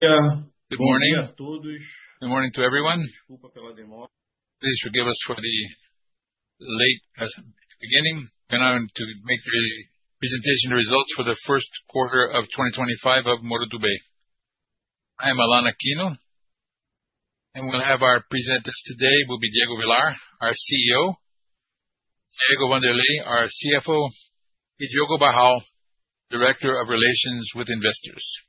Good morning. Good morning to everyone. forgive us for the late beginning. Going on to make the presentation results for the first quarter of 2025 of Moura Dubeux. I am Allan Aquino, and our presenters today will be Diego Villar, our CEO, Diego Wanderley, our CFO, and Diogo Barral, Director of Investor Relations.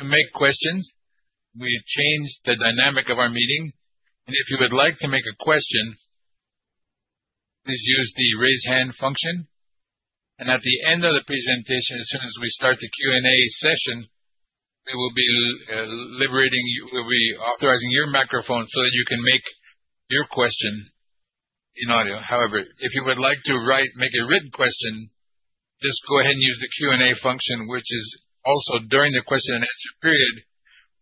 To make questions, we've changed the dynamic of our meeting, and if you would like to make a question, please use the Raise Hand function, and at the end of the presentation, as soon as we start the Q&A session, we will be liberating you. We'll be authorizing your microphone so that you can make your question in audio. However, if you would like to write, make a written question, just go ahead and use the Q&A function, which is also during the question and answer period,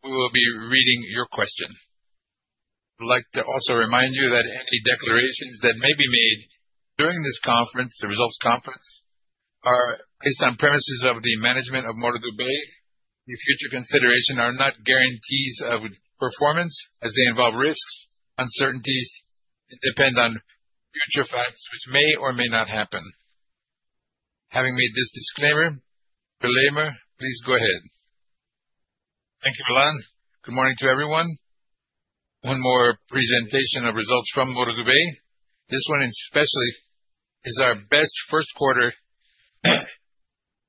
we will be reading your question. I'd like to also remind you that any declarations that may be made during this conference, the results conference, are based on premises of the management of Moura Dubeux. Your future consideration are not guarantees of performance as they involve risks, uncertainties. It depend on future facts which may or may not happen. Having made this disclaimer, Villar, please go ahead. Thank you, Allan. Good morning to everyone. One more presentation of results from Moura Dubeux. This one especially is our best first quarter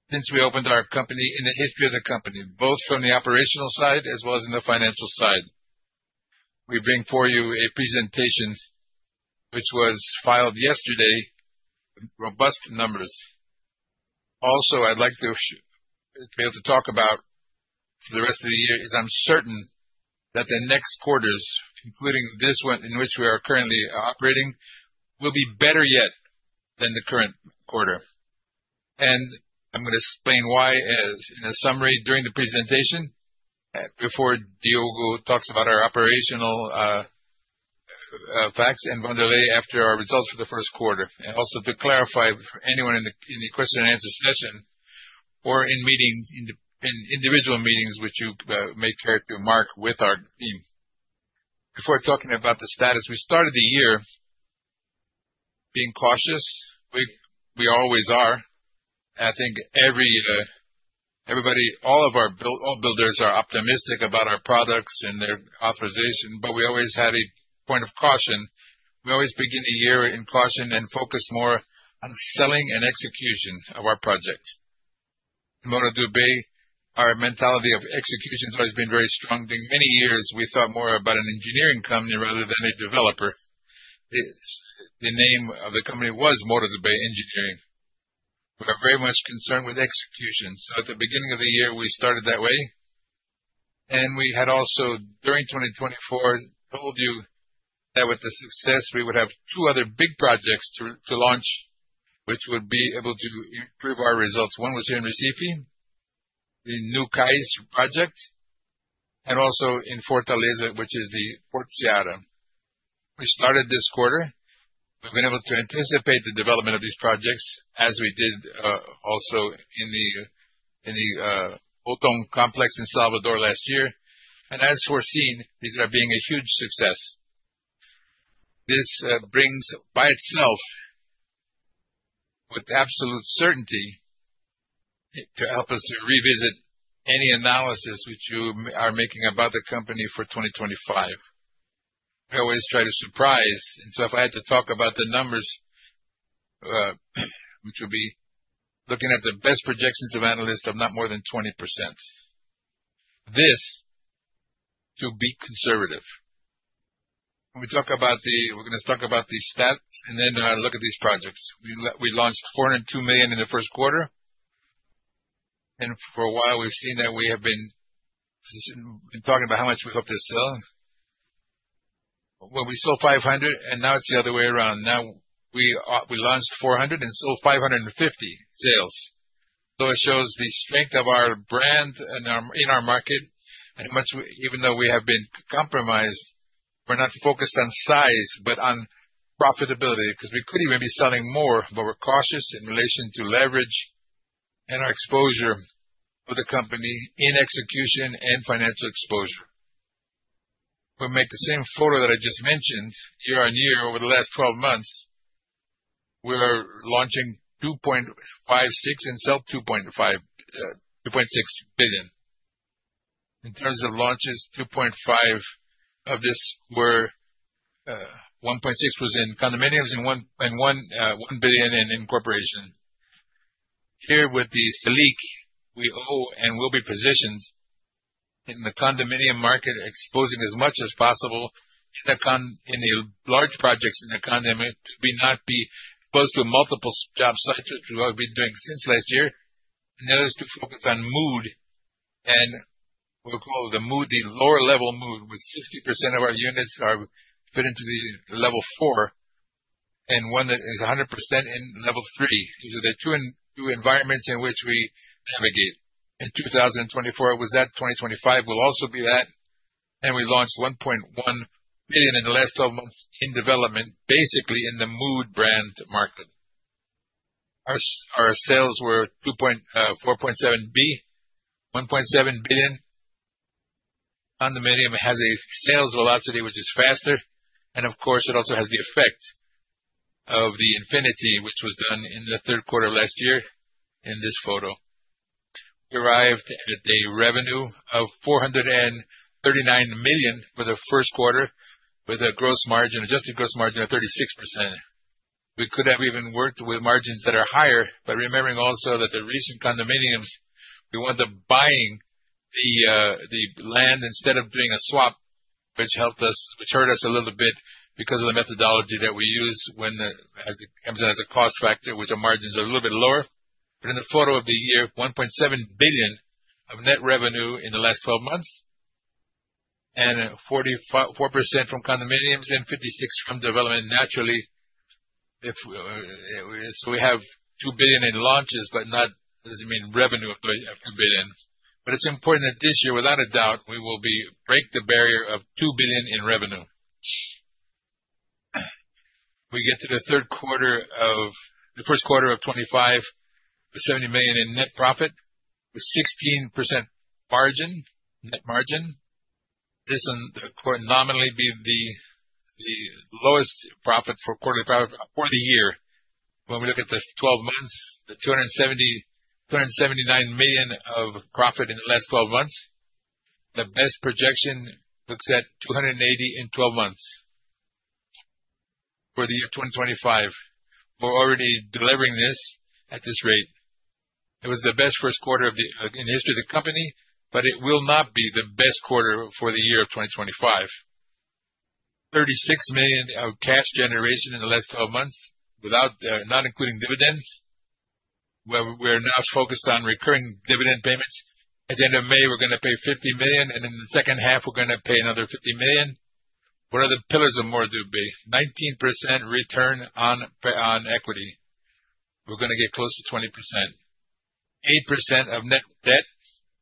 since we opened our company in the history of the company, both from the operational side as well as in the financial side. We bring to you a presentation which was filed yesterday, robust numbers. Also, I'd like to be able to talk about for the rest of the year, as I'm certain that the next quarters, including this one in which we are currently operating, will be better yet than the current quarter. I'm gonna explain why as in a summary during the presentation, before Diogo talks about our operational facts and Wanderley after our results for the first quarter. Also to clarify for anyone in the question and answer session or in meetings, in individual meetings which you may care to mark with our team. Before talking about the status, we started the year being cautious. We always are. I think everybody, all of our builders are optimistic about our products and their authorization, but we always have a point of caution. We always begin a year in caution and focus more on selling and execution of our projects. Moura Dubeux, our mentality of execution has always been very strong. During many years, we thought more about an engineering company rather than a developer. The name of the company was Moura Dubeux Engenharia. We are very much concerned with execution. At the beginning of the year, we started that way, and we had also, during 2024, told you that with the success, we would have two other big projects to launch, which would be able to improve our results. One was here in Recife, the Neq Cais project, and also in Fortaleza, which is the Portiara. We started this quarter. We've been able to anticipate the development of these projects as we did also in the Athon complex in Salvador last year. As foreseen, these are being a huge success. This brings by itself with absolute certainty to help us to revisit any analysis which you are making about the company for 2025. We always try to surprise, and so if I had to talk about the numbers which will be looking at the best projections of analysts of not more than 20%. This to be conservative. We're gonna talk about the stats and then look at these projects. We launched 402 million in the first quarter. For a while, we've seen that we have been talking about how much we hope to sell. Well, we sold 500 million, and now it's the other way around. Now we launched 400 million and sold 550 million sales. It shows the strength of our brand and in our market and how much we even though we have been compromised, we're not focused on size, but on profitability, because we could even be selling more, but we're cautious in relation to leverage and our exposure for the company in execution and financial exposure. We'll make the same showing that I just mentioned year-over-year over the last 12 months. We're launching 2.56 billion and sell 2.5 billion, 2.6 billion. In terms of launches, 2.5 billion of this were, 1.6 billion was in condominiums and 1.1 billion in incorporation. With the Selic, we now will be positioned in the condominium market, exposing as much as possible in the large projects in the condominium to not be exposed to multiple job sites as we have been doing since last year. Another is to focus on Mood and we'll call the Mood the lower level Mood, with 60% of our units are put into the level four and Única that is 100% in level three. These are the two environments in which we navigate. In 2024, it was that. 2025 will also be that. We launched 1.1 billion in the last twelve months in development, basically in the Mood brand market. Our sales were 4.7 billion, 1.7 billion. Condominium has a sales velocity which is faster, and of course, it also has the effect of the Infinity, which was done in the third quarter last year in this photo. Arrived at a revenue of 439 million for the first quarter, with a gross margin, adjusted gross margin of 36%. We could have even worked with margins that are higher, but remembering also that the recent condominiums, we want them buying the land instead of doing a swap, which hurt us a little bit because of the methodology that we use as it comes in as a cost factor, which the margins are a little bit lower. In the photo of the year, 1.7 billion of net revenue in the last twelve months, and 44% from condominiums and 56% from development. Naturally, we have 2 billion in launches, but doesn't mean revenue of 2 billion. It's important that this year, without a doubt, we will break the barrier of 2 billion in revenue. We get to the first quarter of 2025, with 70 million in net profit, with 16% net margin. This one quarter nominally will be the lowest profit for the quarter for the year. When we look at the twelve months, the 279 million of profit in the last twelve months. The best projection looks at 280 in twelve months for the year 2025. We're already delivering this at this rate. It was the best first quarter in the history of the company, but it will not be the best quarter for the year of 2025. 36 million of cash generation in the last twelve months, not including dividends. We're now focused on recurring dividend payments. At the end of May, we're gonna pay 50 million, and in the second half, we're gonna pay another 50 million. What are the pillars of Moura Dubeux? 19% return on equity. We're gonna get close to 20%. 8% of net debt.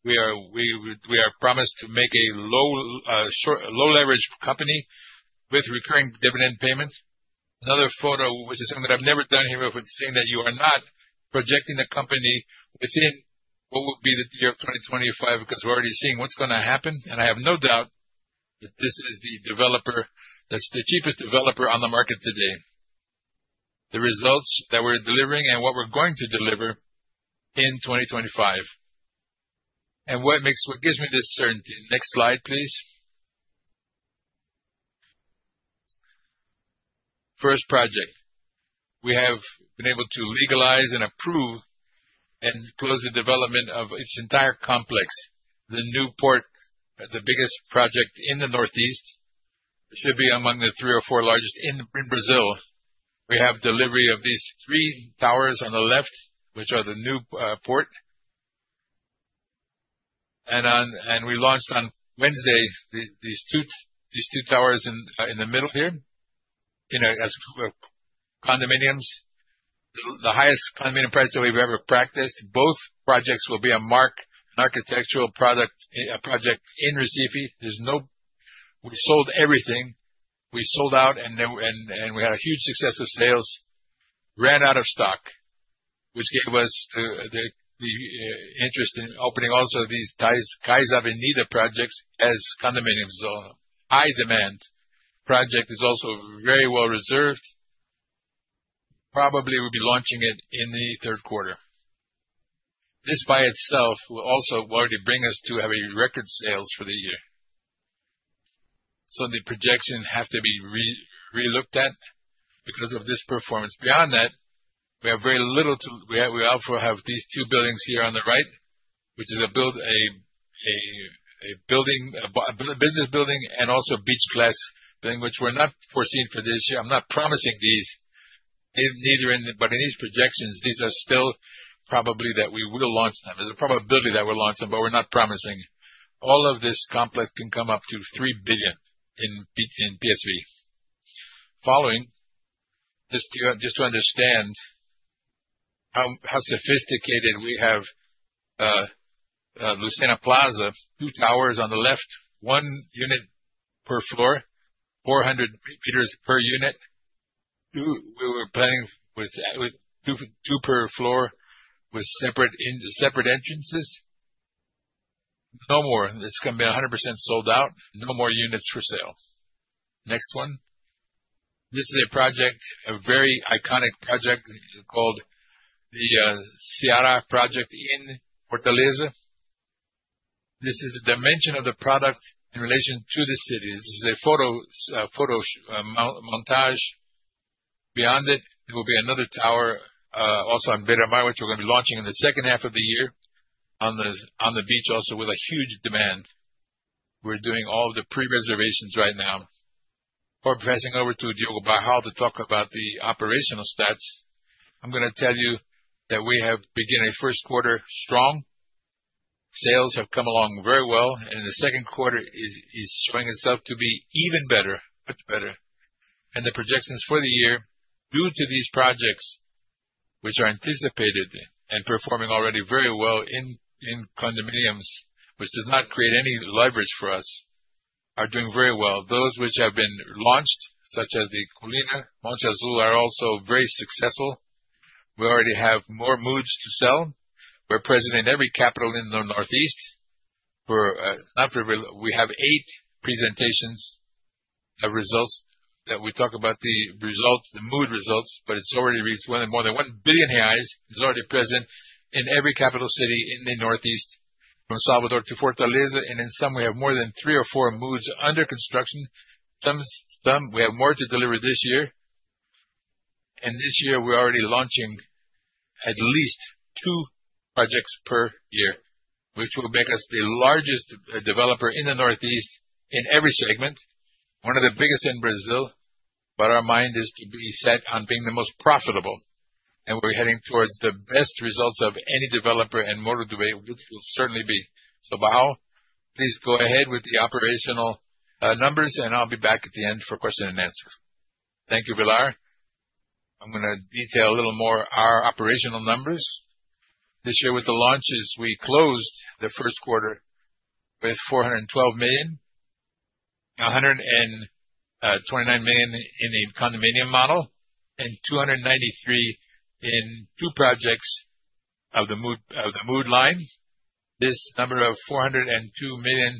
We promise to make a low-leverage company with recurring dividend payments. Another pillar, which is something that I've never done here, but saying that you are not projecting the company. We're seeing what will be the year of 2025, because we're already seeing what's gonna happen. I have no doubt that this is the developer that's the cheapest developer on the market today. The results that we're delivering and what we're going to deliver in 2025. What gives me this certainty? Next slide, please. First project, we have been able to legalize and approve and close the development of its entire complex. The New Port, the biggest project in the Northeast. It should be among the three or four largest in Brazil. We have delivery of these three towers on the left, which are the New Port. We launched on Wednesday these two towers in the middle here, you know, as condominiums. The highest condominium price that we've ever practiced. Both projects will be a landmark, an architectural product, a project in Recife. We sold everything. We sold out, and then we had a huge success of sales, ran out of stock, which gave us the interest in opening also these Cais Avenida projects as condominiums. High demand. The project is also very well received. Probably, we'll be launching it in the third quarter. This by itself will also already bring us to have record sales for the year. The projections have to be re-looked at because of this performance. Beyond that, we also have these two buildings here on the right, which is a business building and also Beach Class building, which we're not foreseeing for this year. I'm not promising these, neither in the but in these projections, these are still probably that we will launch them. There's a probability that we'll launch them, but we're not promising. All of this complex can come up to 3 billion in PSV. Following, just to understand how sophisticated we have, Lucena Plaza. Two towers on the left, one unit per floor, 400 meters per unit. We were planning with two per floor with separate entrances. No more. It's gonna be 100% sold out. No more units for sale. Next one. This is a project, a very iconic project called the Ceará project in Fortaleza. This is the dimension of the product in relation to the city. This is a photomontage. Beyond it, there will be another tower, also in Beira Mar, which we're gonna be launching in the second half of the year on the beach also with a huge demand. We're doing all the pre-reservations right now. Before passing over to Diogo Barral to talk about the operational stats, I'm gonna tell you that we have begun a first quarter strong. Sales have come along very well, and the second quarter is showing itself to be even better, much better. The projections for the year, due to these projects, which are anticipated and performing already very well in condominiums, which does not create any leverage for us. They are doing very well. Those which have been launched, such as the Colina, Monte Azul, are also very successful. We already have more Moods to sell. We're present in every capital in the Northeast. We have eight presentations of results where we talk about the results, the Mood results, but it's already reached more than 1 billion reais. It's already present in every capital city in the Northeast from Salvador to Fortaleza, and in some we have more than three or four Moods under construction. Some we have more to deliver this year. This year, we're already launching at least two projects per year, which will make us the largest developer in the Northeast in every segment, one of the biggest in Brazil. Our main is to be set on being the most profitable, and we're heading towards the best results of any developer and more on the way, which will certainly be. Diogo Barral, please go ahead with the operational numbers, and I'll be back at the end for question and answer. Thank you, Villar. I'm gonna detail a little more our operational numbers. This year with the launches, we closed the first quarter with 412 million, 129 million in the condominium model, and 293 million in two projects of the Mood line. This number of 412 million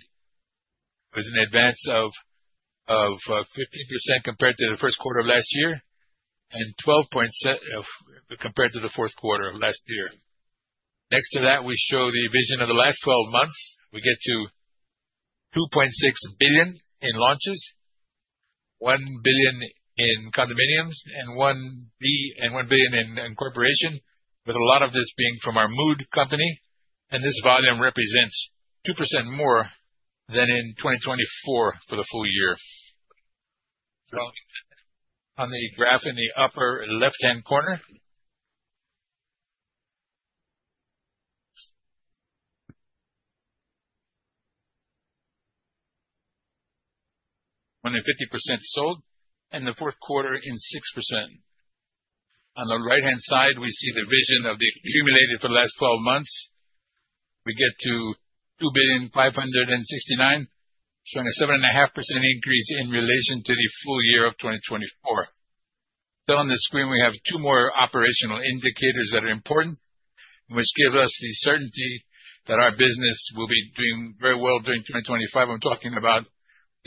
was an advance of 15% compared to the first quarter of last year, and 12% compared to the fourth quarter of last year. Next to that, we show the vision of the last twelve months. We get to 2.6 billion in launches, 1 billion in condominiums, and 1 billion in incorporation, with a lot of this being from our Mood company. This volume represents 2% more than in 2024 for the full year. On the graph in the upper left-hand corner. Only 50% sold, and the fourth quarter in 6%. On the right-hand side, we see the VSO of the accumulated for the last twelve months. We get to 2.569 billion, showing a 7.5% increase in relation to the full year of 2024. Still on the screen, we have two more operational indicators that are important, which give us the certainty that our business will be doing very well during 2025. I'm talking about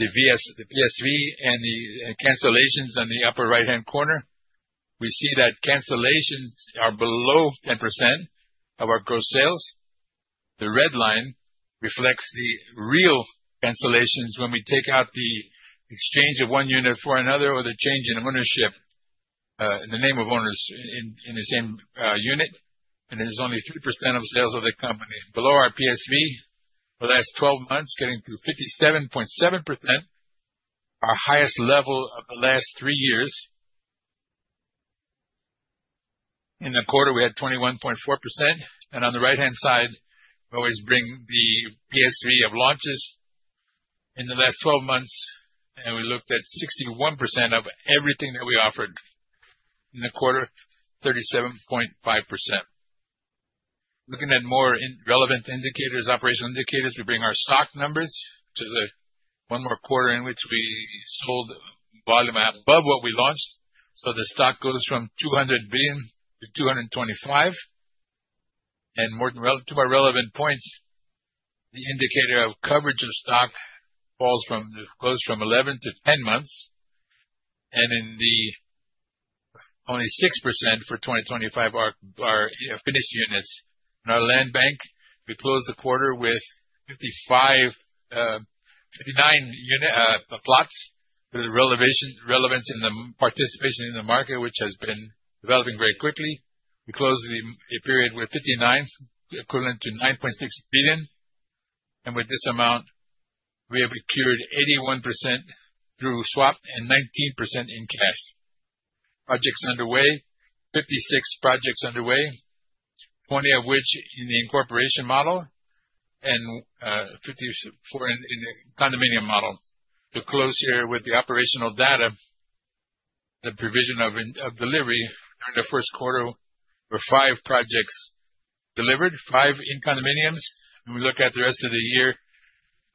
the PSV and the cancellations on the upper right-hand corner. We see that cancellations are below 10% of our gross sales. The red line reflects the real cancellations when we take out the exchange of one unit for another or the change in ownership in the name of owners in the same unit. There's only 3% of sales of the company below our PSV for the last twelve months, getting to 57.7%, our highest level of the last three years. In the quarter, we had 21.4%. On the right-hand side, we always bring the PSV of launches in the last twelve months, and we looked at 61% of everything that we offered. In the quarter, 37.5%. Looking at more relevant indicators, operational indicators, we bring our stock numbers to one more quarter in which we sold volume above what we launched. The stock goes from 200 billion to 225 billion. Two more relevant points, the indicator of coverage of stock goes from 11 months to 10 months, and only 6% for 2025 are finished units. In our land bank, we closed the quarter with 59 plots with relevance in the participation in the market, which has been developing very quickly. We closed the period with 59 plots, equivalent to 9.6 billion. With this amount, we have secured 81% through swap and 19% in cash. Projects underway, 56 projects underway, 20 of which in the incorporation model and 54 projects in the condominium model. To close here with the operational data, the provision of delivery for the first quarter were five projects delivered, five in condominiums. When we look at the rest of the year,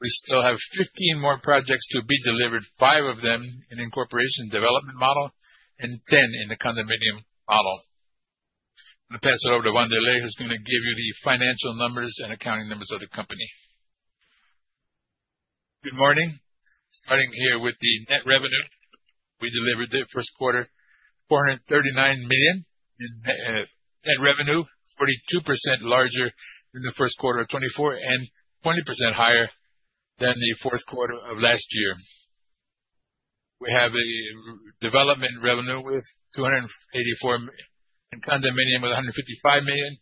we still have 15 more projects to be delivered, five of them in incorporation development model and 10 in the condominium model. I'm gonna pass it over to Diego Wanderley, who's gonna give you the financial numbers and accounting numbers of the company. Good morning. Starting here with the net revenue, we delivered the first quarter, 439 million in net revenue, 42% larger than the first quarter of 2024 and 20% higher than the fourth quarter of last year. We have a development revenue with 284 million. In condominium with 155 million,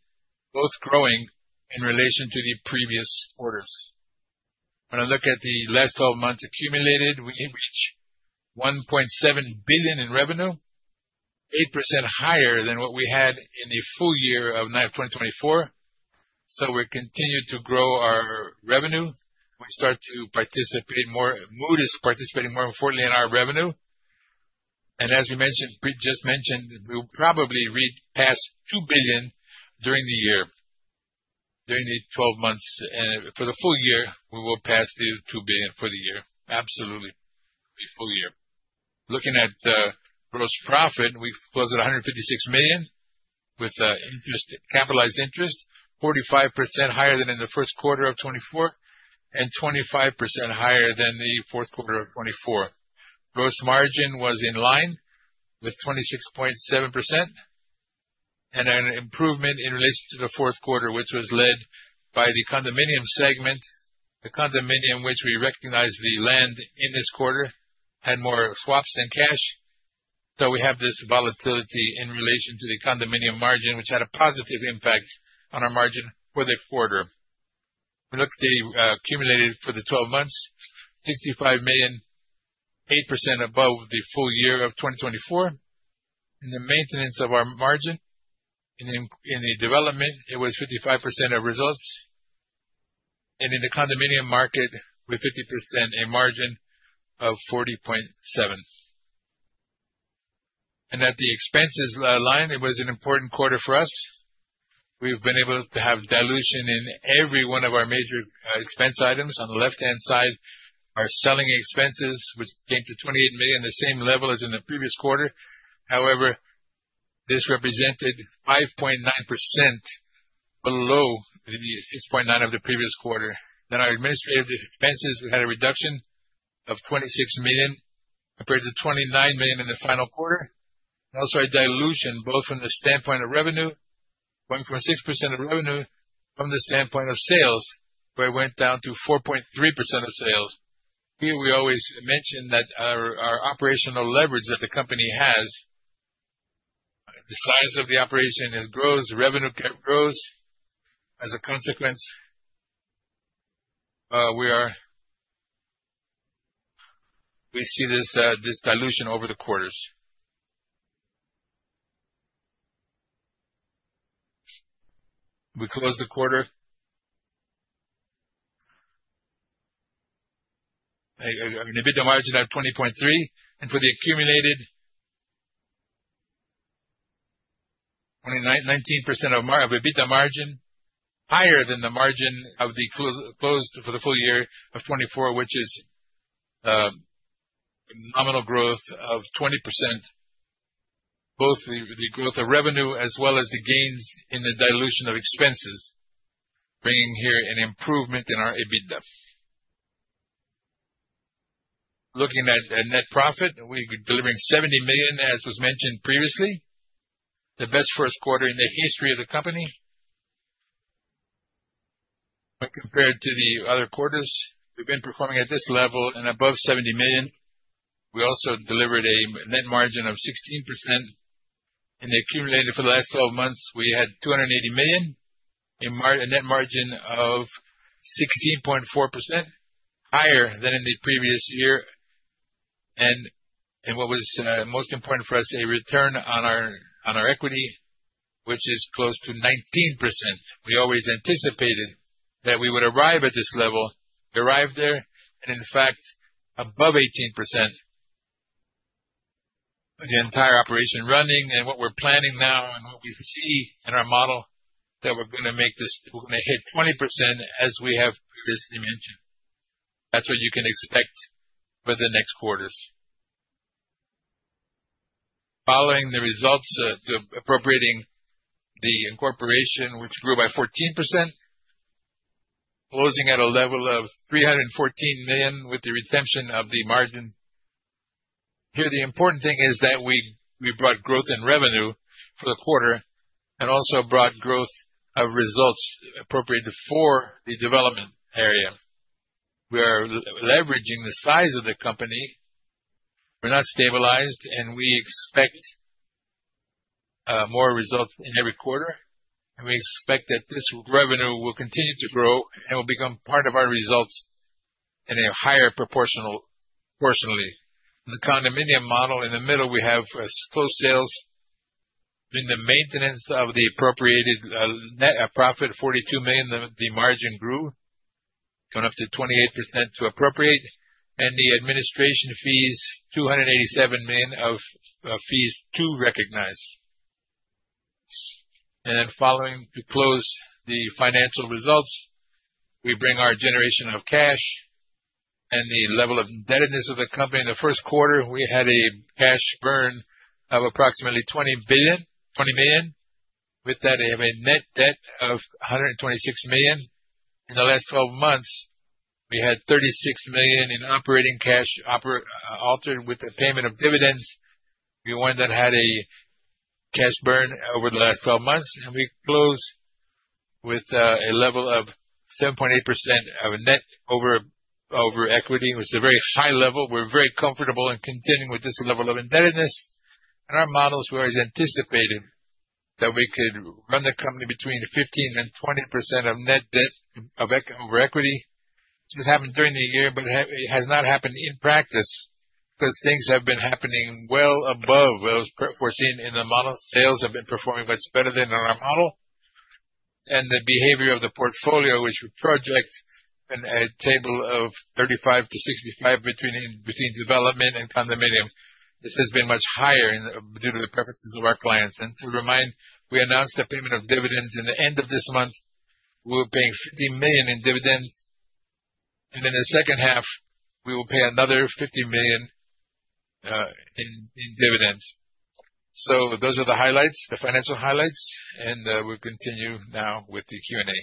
both growing in relation to the previous quarters. When I look at the last 12 months accumulated, we reach 1.7 billion in revenue, 8% higher than what we had in the full year of 2023. We continue to grow our revenue. We start to participate more, Mood is participating more importantly in our revenue. As you mentioned, we just mentioned, we'll probably re-pass 2 billion during the year, during the twelve months. For the full year, we will pass the 2 billion for the year. Absolutely, the full year. Looking at the gross profit, we closed at 156 million with capitalized interest 45% higher than in the first quarter of 2024 and 25% higher than the fourth quarter of 2024. Gross margin was in line with 26.7% and an improvement in relation to the fourth quarter, which was led by the condominium segment. The condominium which we recognized the land in this quarter had more swaps than cash. We have this volatility in relation to the condominium margin, which had a positive impact on our margin for the quarter. We looked at the accumulated for the 12 months, 65 million, 8% above the full year of 2024. In the maintenance of our margin and in the development, it was 55% of results. In the condominium market with 50%, a margin of 40.7 million. At the expenses line, it was an important quarter for us. We've been able to have dilution in every one of our major expense items. On the left-hand side are selling expenses, which came to 28 million, the same level as in the previous quarter. However, this represented 5.9% below the 6.9% of the previous quarter. Our administrative expenses had a reduction of 26 million compared to 29 million in the final quarter. Also a dilution, both from the standpoint of revenue, 1.6% of revenue from the standpoint of sales, where it went down to 4.3% of sales. Here we always mention that our operational leverage that the company has, the size of the operation, it grows, revenue grows. As a consequence, we see this dilution over the quarters. We closed the quarter. EBITDA margin at 20.3% and for the accumulated 19% of EBITDA margin, higher than the margin closed for the full year of 2024, which is nominal growth of 20%, both the growth of revenue as well as the gains in the dilution of expenses, bringing here an improvement in our EBITDA. Looking at net profit, we're delivering 70 million, as was mentioned previously, the best first quarter in the history of the company. When compared to the other quarters, we've been performing at this level and above 70 million. We also delivered a net margin of 16%. In the accumulated for the last twelve months, we had 280 million, a net margin of 16.4% higher than in the previous year. What was most important for us, a return on our equity, which is close to 19%. We always anticipated that we would arrive at this level, and in fact above 18%. With the entire operation running and what we're planning now and what we see in our model that we're gonna make this. We're gonna hit 20% as we have previously mentioned. That's what you can expect for the next quarters. Following the results, the appropriating the incorporation, which grew by 14%, closing at a level of 314 million with the redemption of the margin. Here, the important thing is that we brought growth in revenue for the quarter and also brought growth of results appropriated for the development area. We are leveraging the size of the company. We're not stabilized, and we expect more results in every quarter. We expect that this revenue will continue to grow and will become part of our results in a higher proportionally. The condominium model in the middle, we have closed sales in the maintenance of the appropriated profit, 42 million. The margin grew going up to 28% to appropriate. The administration fees, 287 million of fees to recognize. Following to close the financial results, we bring our generation of cash and the level of indebtedness of the company. In the first quarter, we had a cash burn of approximately 20 million. With that, we have a net debt of 126 million. In the last twelve months, we had 36 million in operating cash flow adjusted with the payment of dividends. We went and had a cash burn over the last 12 months, and we close with a level of 7.8% of net debt over equity, which is a very high level. We're very comfortable in continuing with this level of indebtedness. In our models, we always anticipated that we could run the company between 15%-20% of net debt over equity, which happened during the year, but it has not happened in practice because things have been happening well above what was foreseen in the model. Sales have been performing much better than in our model. The behavior of the portfolio, which we project in a table of 35%-65% between development and condominium. This has been much higher, due to the preferences of our clients. To remind, we announced the payment of dividends. In the end of this month, we'll pay 50 million in dividends, and in the second half, we will pay another 50 million in dividends. Those are the highlights, the financial highlights, and we continue now with the Q&A.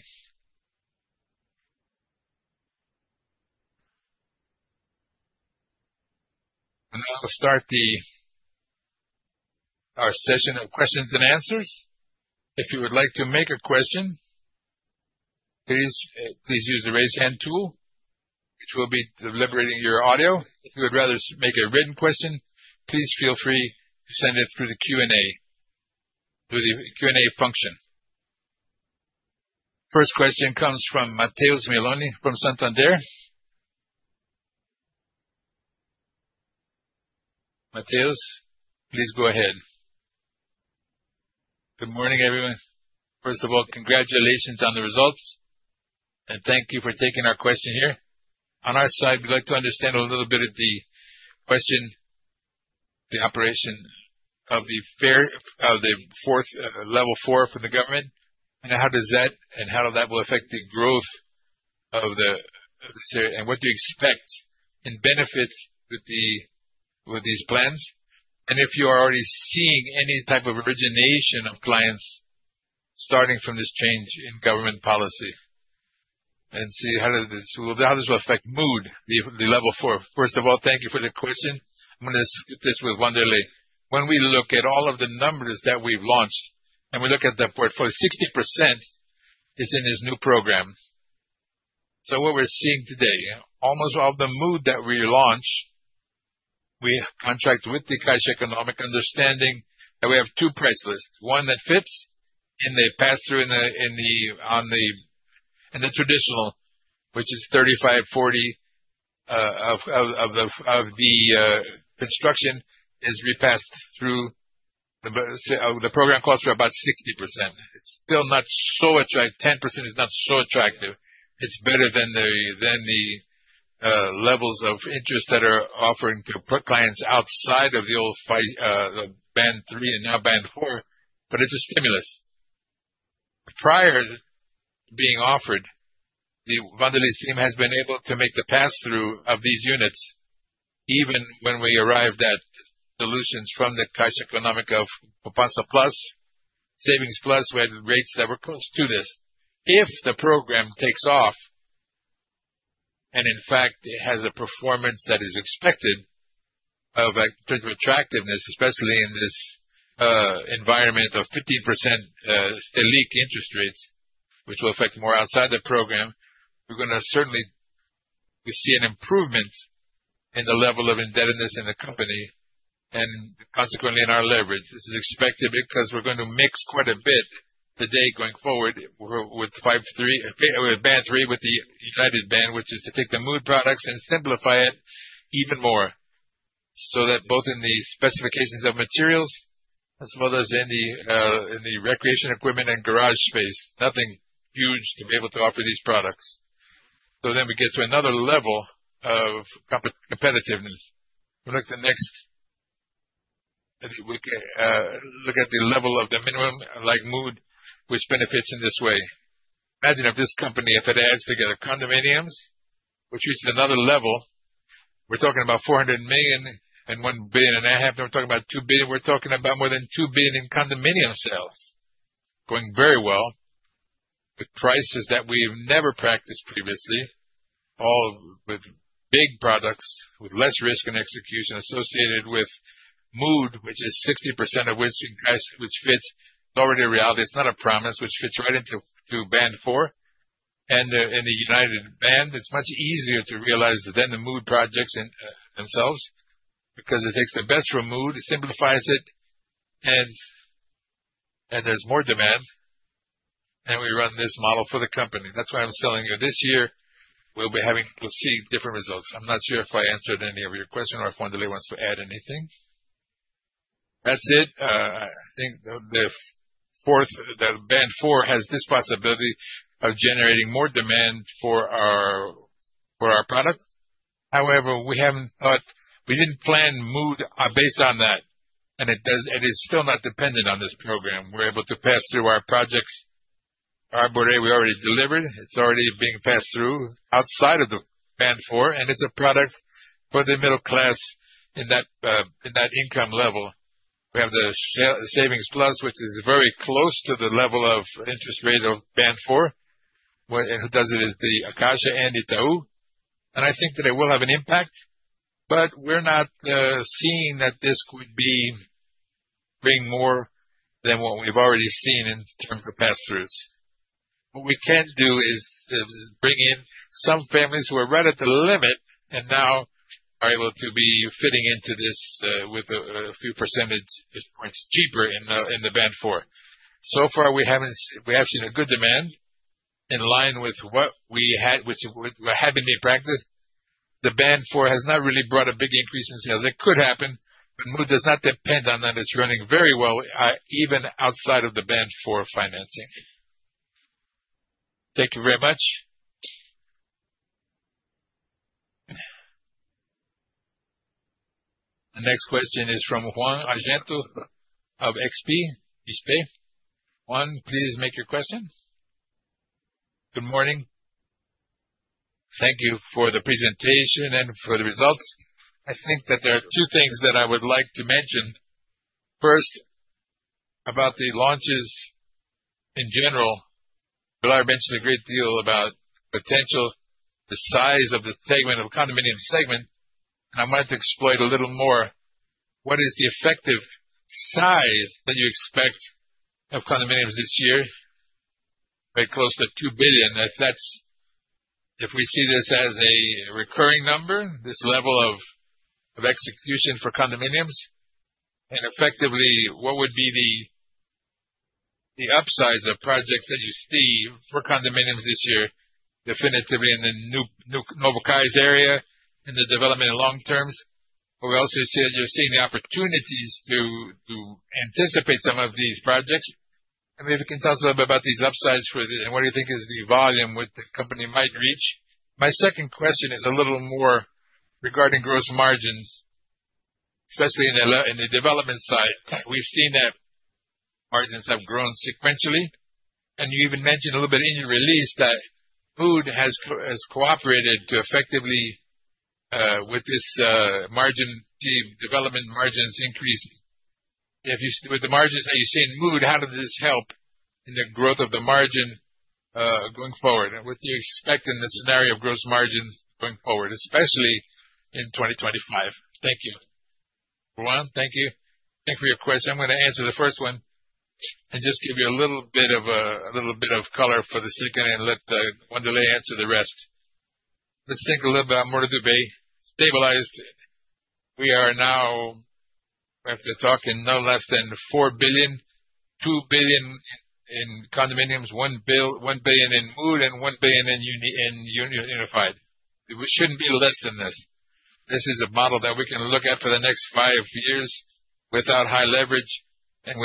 I'll start our session of questions and answers. If you would like to make a question, please use the raise hand tool, which will be enabling your audio. If you would rather make a written question, please feel free to send it through the Q&A function. First question comes from Mateus Meloni from Santander. Mateus, please go ahead. Good morning, everyone. First of all, congratulations on the results, and thank you for taking our question here. On our side, we'd like to understand a little bit the operation of the Level 4 from the government, and how that will affect the growth of the sales, and what do you expect in benefits with these plans? If you are already seeing any type of origination of clients starting from this change in government policy. See how does this affect Mood, the Level 4? First of all, thank you for the question. I'm gonna split this with Wanderley When we look at all of the numbers that we've launched, and we look at the portfolio, 60% is in this new program. What we're seeing today, almost all the Mood that we launch, we contract with the Caixa Econômica understanding that we have two price lists, one that fits, and they pass through in the traditional, which is 35%-40% of the construction is repassed through the. The program costs are about 60%. It's still not so attractive. 10% is not so attractive. It's better than the levels of interest that are offering to pro-clients outside of the band three and now band four, but it's a stimulus. Prior to being offered, the Wanderley's team has been able to make the pass-through of these units, even when we arrived at solutions from the Caixa Econômica of Poupança Plus, we had rates that were close to this. If the program takes off, and in fact, it has a performance that is expected of a principal attractiveness, especially in this environment of 15% Selic interest rates, which will affect more outside the program, we're gonna certainly see an improvement in the level of indebtedness in the company and consequently in our leverage. This is expected because we're gonna mix quite a bit today going forward with five-three, band five with the Única brand, which is to take the Mood products and simplify it even more, so that both in the specifications of materials as well as in the recreation equipment and garage space, nothing huge to be able to offer these products. We get to another level of competitiveness. We look at the next. Look at the level of the minimum, like Mood, which benefits in this way. Imagine if this company, if it adds together condominiums, which is another level. We're talking about 400 million and 1.5 billion. No, we're talking about 2 billion. We're talking about more than 2 billion in condominium sales. Going very well with prices that we've never practiced previously, all with big products, with less risk and execution associated with Mood, which is 60% of which fits already a reality. It's not a promise, which fits right into band four and the Única band. It's much easier to realize it than the Mood projects in themselves because it takes the best from Mood, it simplifies it, and there's more demand, and we run this model for the company. That's why I'm telling you this year, we'll see different results. I'm not sure if I answered any of your question or if Wanderley wants to add anything. That's it. I think the fourth band four has this possibility of generating more demand for our products. However, we didn't plan Mood based on that, and it is still not dependent on this program. We're able to pass through our projects. Arboretto, we already delivered. It's already being passed through outside of the band four, and it's a product for the middle class in that income level. We have the Poupança Plus, which is very close to the level of interest rate of band four. What it does is the Caixa and Itaú. I think that it will have an impact, but we're not seeing that this could bring more than what we've already seen in terms of pass-throughs. What we can do is bring in some families who are right at the limit and now are able to be fitting into this with a few percentage points cheaper in the band four. So far, we have seen a good demand in line with what we had, which had been in practice. The band four has not really brought a big increase in sales. It could happen, but Mood does not depend on that. It's running very well even outside of the band four financing. Thank you very much. The next question is from Ruan Argento of XP. Juan, please ask your question. Good morning. Thank you for the presentation and for the results. I think that there are two things that I would like to mention. First, about the launches in general. Villar, I mentioned a great deal about potential, the size of the segment, of condominium segment, and I might exploit a little more what is the effective size that you expect of condominiums this year? Very close to 2 billion. If we see this as a recurring number, this level of execution for condominiums, and effectively, what would be the upsides of projects that you see for condominiums this year, definitively in the new Novo Cais area, in the development in long terms. We also see that you are seeing the opportunities to anticipate some of these projects. Maybe you can tell us a little bit about these upsides for this and what do you think is the volume, what the company might reach. My second question is a little more regarding gross margins, especially in the development side. We've seen that margins have grown sequentially, and you even mentioned a little bit in your release that Mood has contributed to effectively with this margin, the development margins increase. With the margins that you see in Mood, how does this help in the growth of the margin going forward? What do you expect in the scenario of gross margin going forward, especially in 2025? Thank you. Juan, thank you. Thank you for your question. I'm gonna answer the first one and just give you a little bit of color for the second and let Wanderley answer the rest. Let's think a little about Moura Dubeux stabilized. We are now. We have to talk in no less than 4 billion, 2 billion in condominiums, 1 billion in Mood and 1 billion in Única. We shouldn't be less than this. This is a model that we can look at for the next five years without high leverage and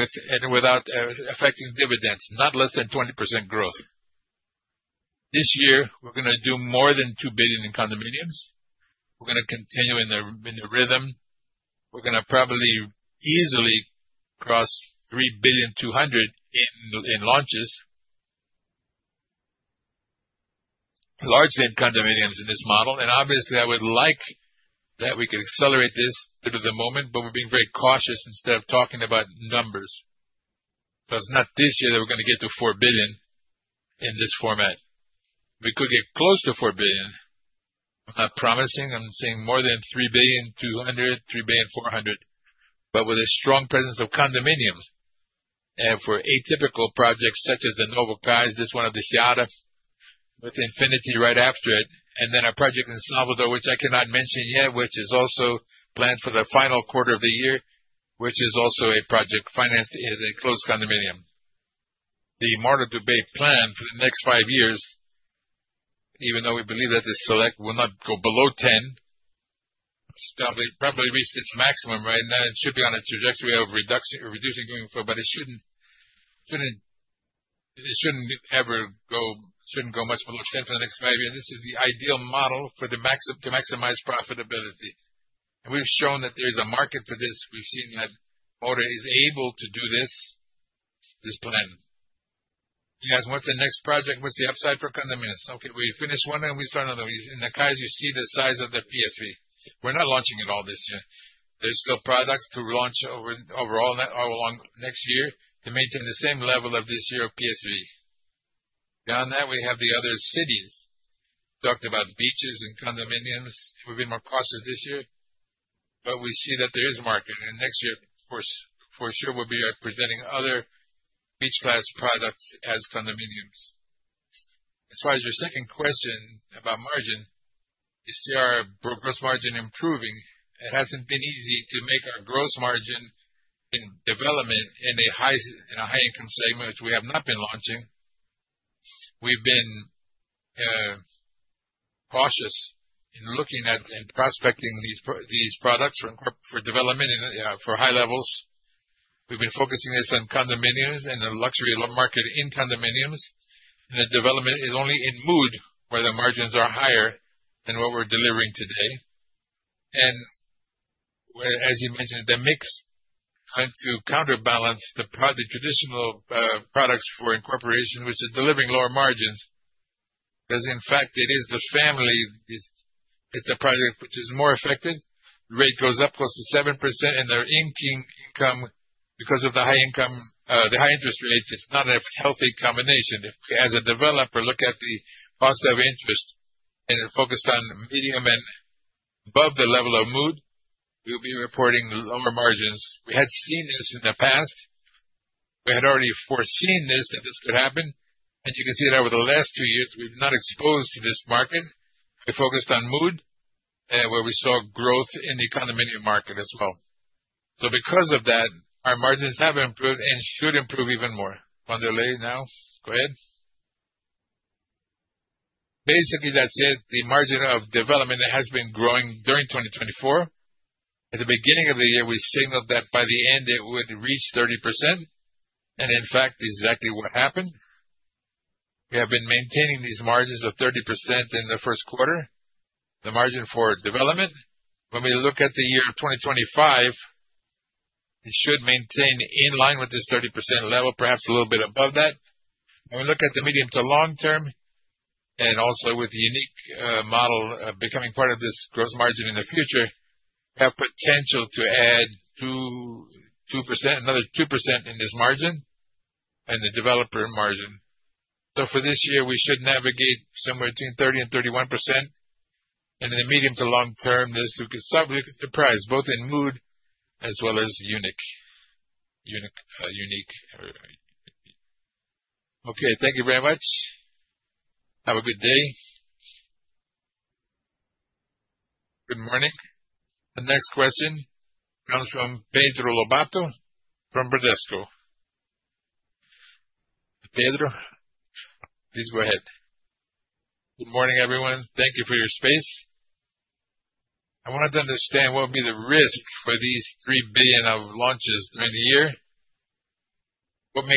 without affecting dividends, not less than 20% growth. This year, we're gonna do more than 2 billion in condominiums. We're gonna continue in the rhythm. We're gonna probably easily cross 3.2 billion in launches. Largely in condominiums in this model, and obviously, I would like that we could accelerate this bit at the moment, but we're being very cautious instead of talking about numbers. It's not this year that we're gonna get to 4 billion in this format. We could get close to 4 billion. I'm not promising, I'm saying more than 3.2 billion, 3.4 billion, but with a strong presence of condominiums. For atypical projects such as the Novo Cais, this one of the Cais da, with Infinity right after it, and then our project in Salvador, which I cannot mention yet, which is also planned for the final quarter of the year, which is also a project financed in a closed condominium. The Moura Dubeux plan for the next five years, even though we believe that the Selic will not go below 10, it's definitely probably reached its maximum right now and should be on a trajectory of reducing going forward, but it shouldn't, it shouldn't be ever go, shouldn't go much below 10 for the next five years. This is the ideal model to maximize profitability. We've shown that there's a market for this. We've seen that Moura is able to do this plan. He asked, what's the next project? What's the upside for condominiums? Okay, we finish one and we start another one. In the Cais, you see the size of the PSV. We're not launching it all this year. There's still products to launch over all that all along next year to maintain the same level of this year of PSV. Beyond that, we have the other cities. Talked about beaches and condominiums. We've been more cautious this year, but we see that there is market. Next year, for sure we'll be representing other Beach Class products as condominiums. As far as your second question about margin, you see our gross margin improving. It hasn't been easy to make our gross margin in development in a high Selic in a high income segment, which we have not been launching. We've been cautious in looking at and prospecting these products for development in for high levels. We've been focusing this on condominiums and the luxury low market in condominiums. The development is only in Mood, where the margins are higher than what we're delivering today. Where, as you mentioned, the mix had to counterbalance the traditional products for incorporation, which is delivering lower margins. Because in fact, it is the family, it's a project which is more affected. Rate goes up close to 7% and their income, because of the high income, the high interest rates, it's not a healthy combination. If as a developer, look at the cost of interest and are focused on medium and above the level of Mood, we'll be reporting those lower margins. We had seen this in the past. We had already foreseen this, that this could happen, and you can see that over the last two years, we've not exposed to this market. We focused on Mood, where we saw growth in the condominium market as well. Because of that, our margins have improved and should improve even more. Wanderley now? Go ahead. Basically, that's it. The margin of development has been growing during 2024. At the beginning of the year, we signaled that by the end, it would reach 30%, and in fact, exactly what happened. We have been maintaining these margins of 30% in the first quarter, the margin for development. When we look at the year 2025, it should maintain in line with this 30% level, perhaps a little bit above that. When we look at the medium to long term, and also with the Única model becoming part of this gross margin in the future, have potential to add 2%, another 2% in this margin and the developer margin. For this year, we should navigate somewhere between 30% and 31%. In the medium to long term, this could surprise both in Mood as well as Única. Okay, thank you very much. Have a good day. Good morning. The next question comes from Pedro Lobato from Bradesco. Pedro, please go ahead. Good morning, everyone. Thank you for your space. I wanted to understand what would be the risk for these 3 billion of launches during the year. What do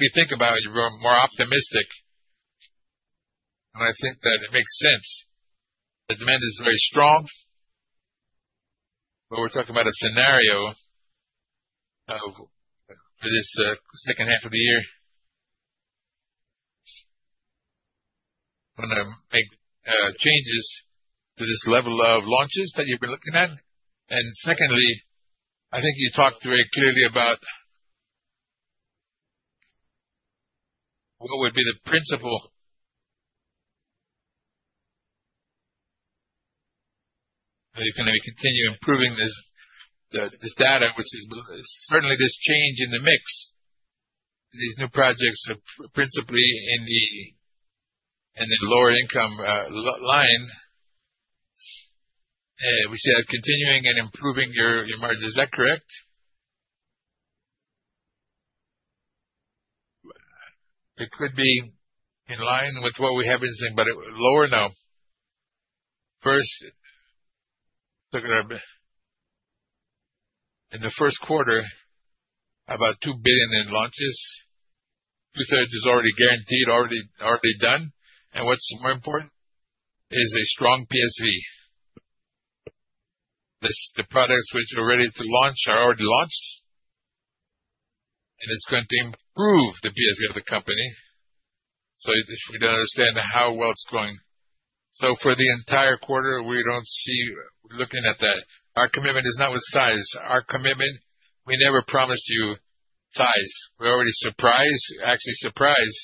you think? Are you more optimistic? I think that it makes sense. Demand is very strong, but we're talking about a scenario of this second half of the year. Want to make changes to this level of launches that you've been looking at. Secondly, I think you talked very clearly about what would be the principle that you're going to continue improving this data, which is certainly this change in the mix. These new projects are principally in the lower income line. We see that continuing and improving your margin. Is that correct? It could be in line with what we have been saying, but lower now. First, look at our. In the first quarter, about 2 billion in launches. Two-thirds is already guaranteed, already done. What's more important is a strong PSV. The products which are ready to launch are already launched, and it's going to improve the PSV of the company. If we don't understand how well it's going. For the entire quarter, we don't see looking at that. Our commitment is not with size. Our commitment, we never promised you size. We're already surprised, actually surprised,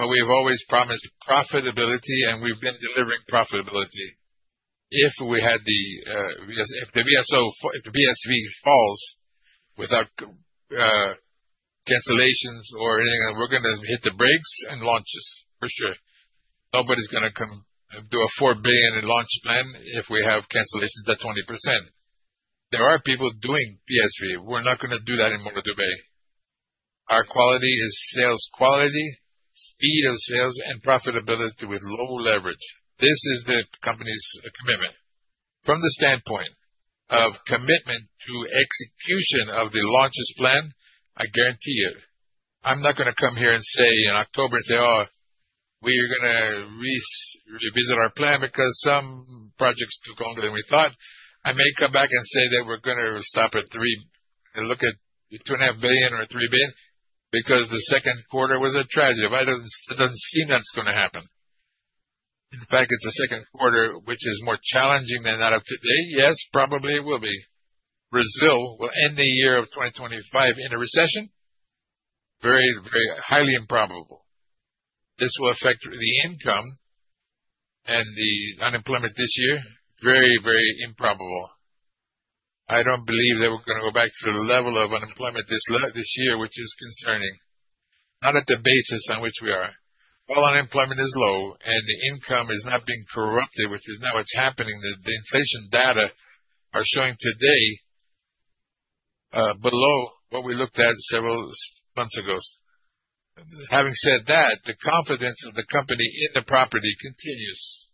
but we've always promised profitability, and we've been delivering profitability. If the VSO, if the PSV falls without cancellations or anything, we're gonna hit the brakes and launches for sure. Nobody's gonna come do a 4 billion launch plan if we have cancellations at 20%. There are people doing PSV. We're not gonna do that in Moura Dubeux. Our quality is sales quality, speed of sales, and profitability with low leverage. This is the company's commitment. From the standpoint of commitment to execution of the launches plan, I guarantee you, I'm not gonna come here and say in October and say, "Oh, we are gonna revisit our plan because some projects took longer than we thought." I may come back and say that we're gonna stop at three and look at 2.5 billion or 3 billion because the second quarter was a tragedy. I don't see that's gonna happen. In fact, it's the second quarter which is more challenging than that of today. Yes, probably it will be. Brazil will end the year of 2025 in a recession. Very, very highly improbable. This will affect the income and the unemployment this year. Very, very improbable. I don't believe that we're gonna go back to the level of unemployment this year, which is concerning. Not on the basis on which we are. While unemployment is low and the income is not being eroded, which is not what's happening, the inflation data are showing today below what we looked at several months ago. Having said that, the confidence of the company in the property continues.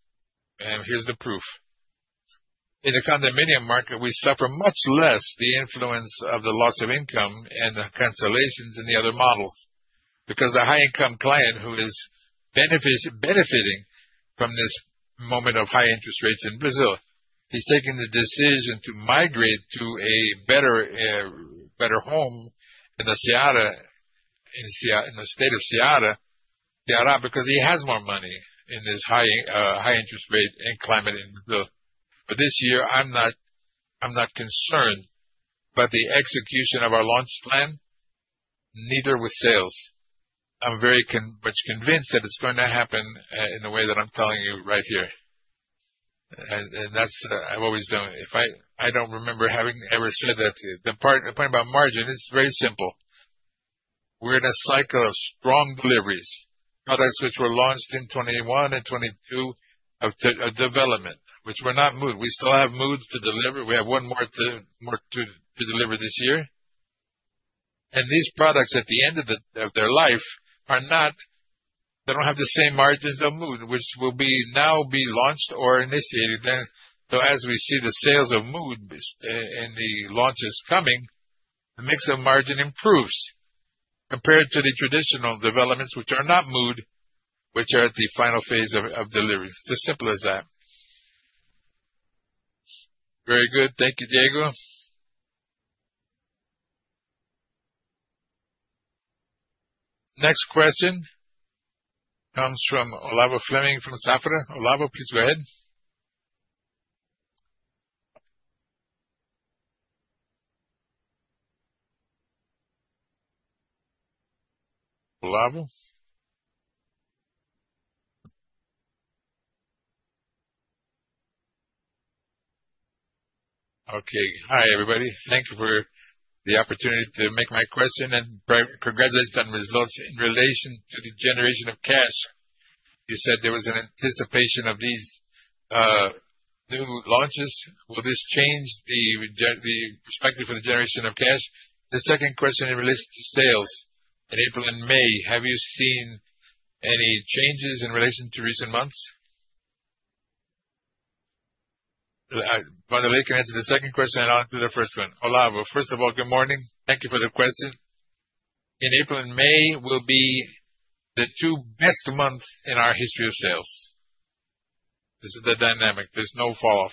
Here's the proof. In the condominium market, we suffer much less the influence of the loss of income and the cancellations in the other models. Because the high-income client who is benefiting from this moment of high interest rates in Brazil, he's taking the decision to migrate to a better home in Ceará, in the state of Ceará, because he has more money in this high interest rate environment in Brazil. This year, I'm not concerned about the execution of our launch plan, neither with sales. I'm very much convinced that it's going to happen in a way that I'm telling you right here. That's what I've always done. If I don't remember having ever said that. The point about margin is very simple. We're in a cycle of strong deliveries. Products which were launched in 2021 and 2022, developments which were not Mood. We still have Mood to deliver. We have one more, more to deliver this year. These products at the end of their life are not. They don't have the same margins of Mood, which will now be launched or initiated then. As we see the sales of Mood and the launches coming, the mix of margin improves compared to the traditional developments which are not Mood, which are at the final phase of delivery. It's as simple as that. Very good. Thank you, Diego. Next question comes from Olavo Fleming from Safra. Olavo, please go ahead. Olavo? Okay. Hi, everybody. Thank you for the opportunity to make my question and congratulations on results in relation to the generation of cash. You said there was an anticipation of these new launches. Will this change the perspective of the generation of cash? The second question in relation to sales in April and May, have you seen any changes in relation to recent months? By the way, can I answer the second question and answer the first one? Olavo, first of all, good morning. Thank you for the question. In April and May will be the two best months in our history of sales. This is the dynamic. There's no falloff.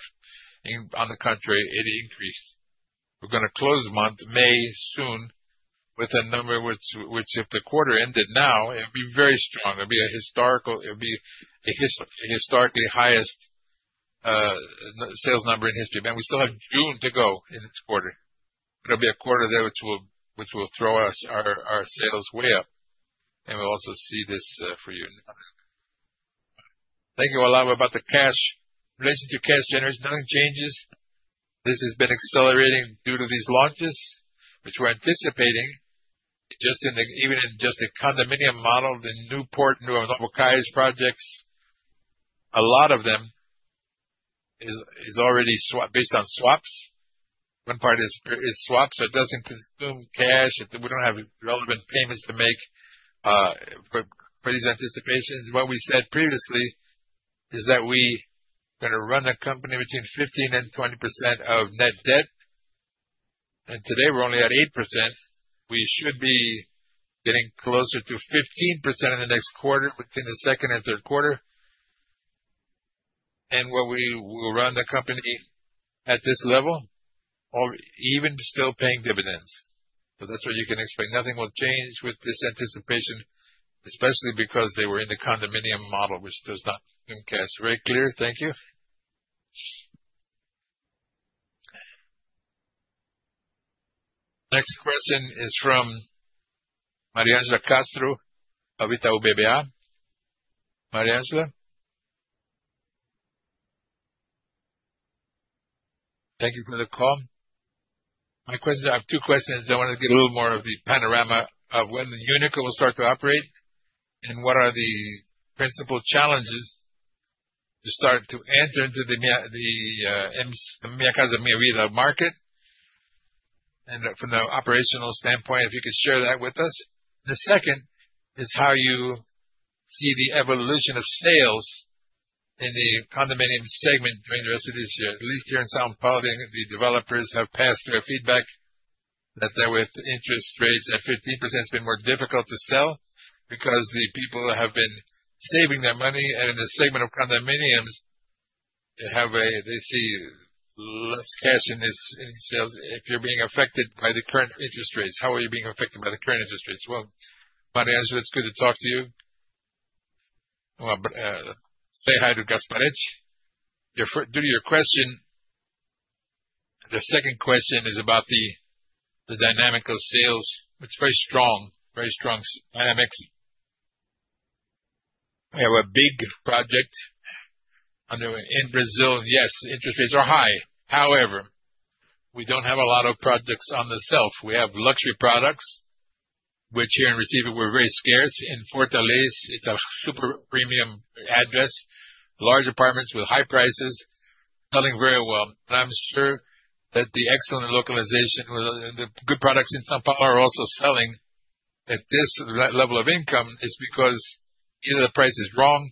On the contrary, it increased. We're gonna close the month, May soon, with a number which if the quarter ended now, it'd be very strong. It'd be a historical. It would be a historically highest sales number in history. Man, we still have June to go in this quarter, but it'll be a quarter there which will throw us our sales way up. We'll also see this for you. Thank you, Olavo, about the cash. In relation to cash generation, nothing changes. This has been accelerating due to these launches, which we're anticipating even in just the condominium model, the Novo Cais projects. A lot of them is already based on swaps. One part is swaps, so it doesn't consume cash. We don't have relevant payments to make for these anticipations. What we said previously is that we gonna run a company between 15% and 20% of net debt, and today we're only at 8%. We should be getting closer to 15% in the next quarter, between the second and third quarter. We will run the company at this level or even still paying dividends. That's what you can expect. Nothing will change with this anticipation, especially because they were in the condominium model, which does not consume cash. Very clear. Thank you. Next question is from Mariangela Castro, Itaú BBA. Mariangela? Thank you for the call. I have two questions. I wanted to get a little more of the panorama of when the Única will start to operate, and what are the principal challenges to start to enter into the Minha Casa, Minha Vida market. From the operational standpoint, if you could share that with us. The second is how you see the evolution of sales in the condominium segment during the rest of this year. At least here in São Paulo, developers have passed their feedback that there with interest rates at 15%, it's been more difficult to sell because the people have been saving their money, and in the segment of condominiums, they see less cash in this, in sales. If you're being affected by the current interest rates, how are you being affected by the current interest rates? Well, Mariangela, it's good to talk to you. Say hi to Gasparete. Due to your question, the second question is about the dynamic of sales. It's very strong. Very strong sales dynamics. I have a big project in Brazil. Yes, interest rates are high. However, we don't have a lot of products on the shelf. We have luxury products, which here in Recife were very scarce. In Fortaleza, it's a super premium address, large apartments with high prices, selling very well. I'm sure that the excellent location and the good products in São Paulo are also selling. At this level of income, it's because either the price is wrong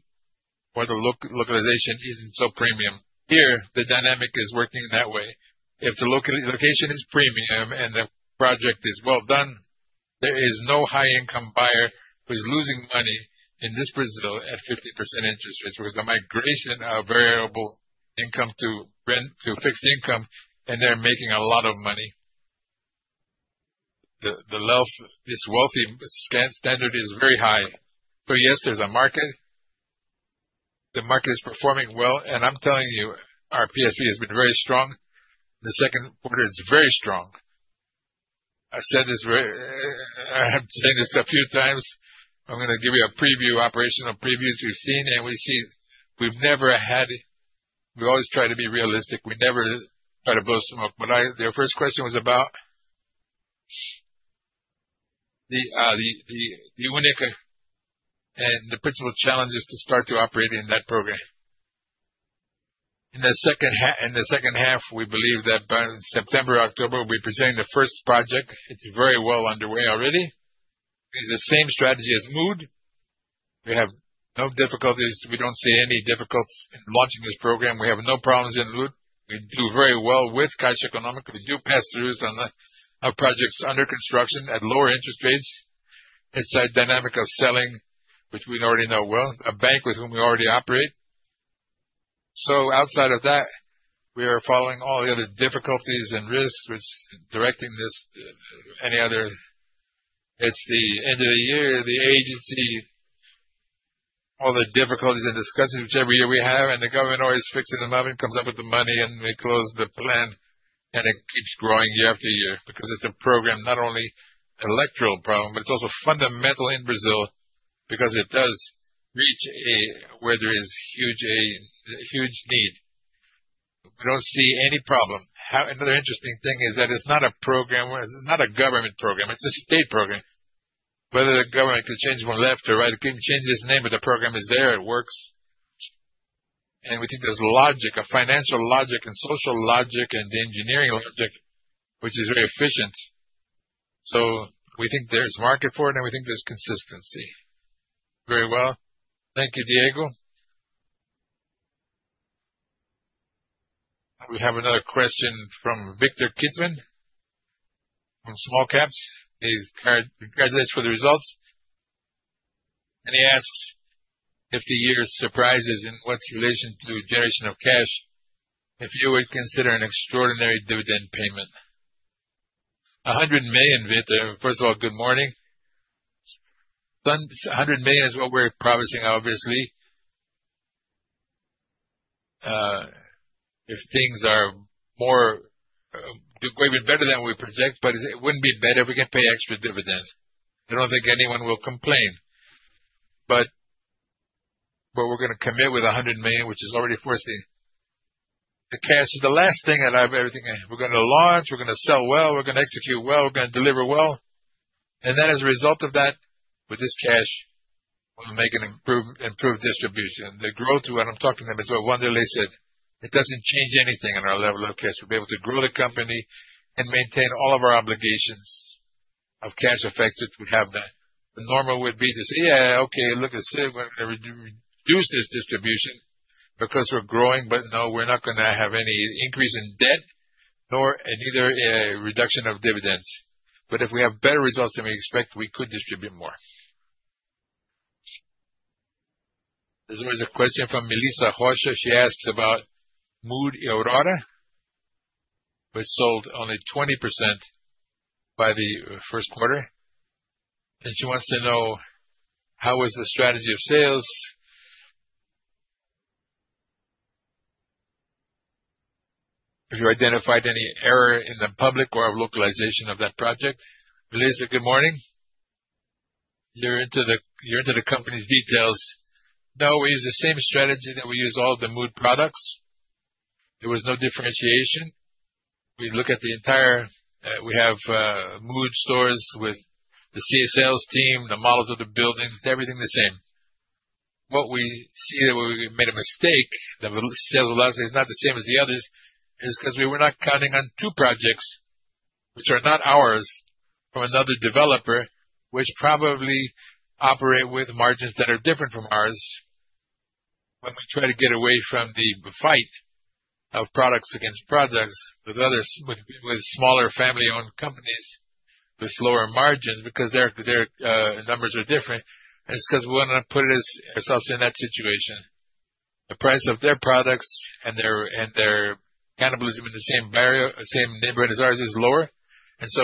or the location isn't so premium. Here, the dynamic is working that way. If the location is premium and the project is well done, there is no high-income buyer who is losing money in this Brazil at 50% interest rates, because the migration of variable income to rent, to fixed income, and they're making a lot of money. The wealth, this wealthy standard is very high. Yes, there's a market. The market is performing well, and I'm telling you, our PSV has been very strong. The second quarter is very strong. I said this very, I have said this a few times. I'm gonna give you a preview, operational previews we've seen, and we see we've never had. We always try to be realistic. We never try to blow smoke. The first question was about the Única and the principal challenges to start to operate in that program. In the second half, we believe that by September, October, we'll be presenting the first project. It's very well underway already. It's the same strategy as Mood. We have no difficulties. We don't see any difficulties in launching this program. We have no problems in Mood. We do very well with Caixa Econômica. We do pass throughs on the projects under construction at lower interest rates. It's a dynamic of selling, which we already know well, a bank with whom we already operate. Outside of that, we are following all the other difficulties and risks which directing this, any other. It's the end of the year, the agency, all the difficulties and discussions which every year we have, and the governor is fixing them up and comes up with the money, and we close the plan, and it keeps growing year after year because it's a program, not only electoral problem, but it's also fundamental in Brazil because it does reach where there is huge need. We don't see any problem. Another interesting thing is that it's not a program. It's not a government program. It's a state program. Whether the government can change from left to right, it can change its name, but the program is there, it works. We think there's logic, a financial logic and social logic and the engineering logic, which is very efficient. We think there's market for it, and we think there's consistency. Very well. Thank you, Diego. We have another question from Victor Kidsman from Small Caps. He sends congratulations for the results. He asks if the year surprises in terms of the generation of cash, if you would consider an extraordinary dividend payment. 100 million, Victor. First of all, good morning. Then, 100 million is what we're promising, obviously. If things are way better than we project, but it would be better if we can pay extra dividends. I don't think anyone will complain. But we're gonna commit to 100 million, which is already a lot. The cash is the last thing, and I have everything. We're gonna launch, we're gonna sell well, we're gonna execute well, we're gonna deliver well. Then as a result of that, with this cash, we'll make an improved distribution. The growth rate, I'm talking to them as well. One day they said, "It doesn't change anything in our level of cash. We'll be able to grow the company and maintain all of our obligations of cash effects if we have that." The normal would be to say, "Yeah, okay, look, let's say we're gonna reduce this distribution because we're growing." No, we're not gonna have any increase in debt nor a reduction of dividends. If we have better results than we expect, we could distribute more. There's always a question from Melissa Rocha. She asks about Mood Aurora, which sold only 20% by the first quarter. She wants to know, how was the strategy of sales? If you identified any error in the public or location of that project. Melissa, good morning. You're into the company's details. No, we use the same strategy that we use all the Mood products. There was no differentiation. We look at the entire, we have, Mood stores with the CS sales team, the models of the buildings, everything the same. What we see that we made a mistake, the sales VSO is not the same as the others, is 'cause we were not counting on two projects which are not ours from another developer, which probably operate with margins that are different from ours. When we try to get away from the fight of products against products with others, with smaller family-owned companies with lower margins because their numbers are different. It's 'cause we wanna put ourselves in that situation. The price of their products and their cannibalism in the same neighborhood as ours is lower.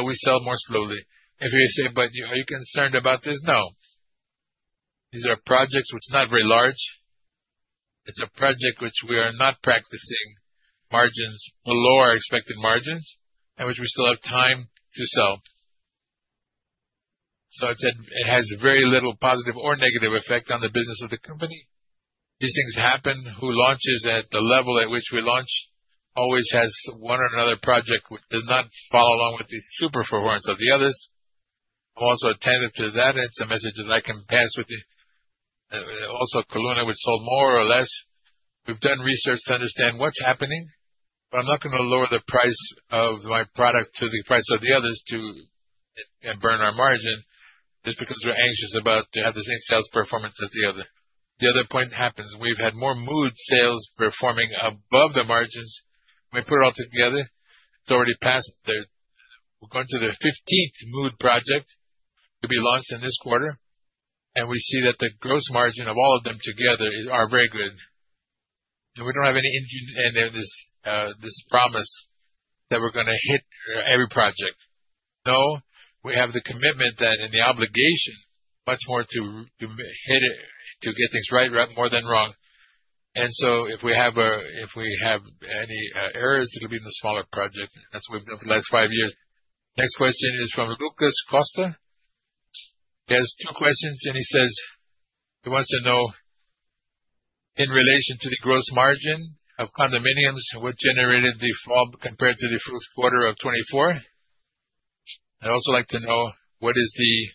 We sell more slowly. If you say, "But you, are you concerned about this?" No. These are projects which are not very large. It's a project which we are not practicing margins below our expected margins, and which we still have time to sell. It has very little positive or negative effect on the business of the company. These things happen. Who launches at the level at which we launch always has one or another project which does not follow along with the super performance of the others. I'm also attentive to that. It's a message that I can pass with the. Also, Colina was sold more or less. We've done research to understand what's happening, but I'm not gonna lower the price of my product to the price of the others to and burn our margin just because we're anxious about to have the same sales performance as the other. The other point happens. We've had more Mood sales performing above the margins. We put it all together. We're going to the fifteenth Mood project to be launched in this quarter, and we see that the gross margin of all of them together is very good. We don't have any engine, and there's this promise that we're gonna hit every project. No, we have the commitment and the obligation much more to hit it, to get things right, more than wrong. If we have any errors, it'll be in the smaller project. That's what we've done for the last five years. Next question is from Lucas Costa. He has two questions, and he says he wants to know in relation to the gross margin of condominiums, what generated the fall compared to the first quarter of 2024. I'd also like to know what is the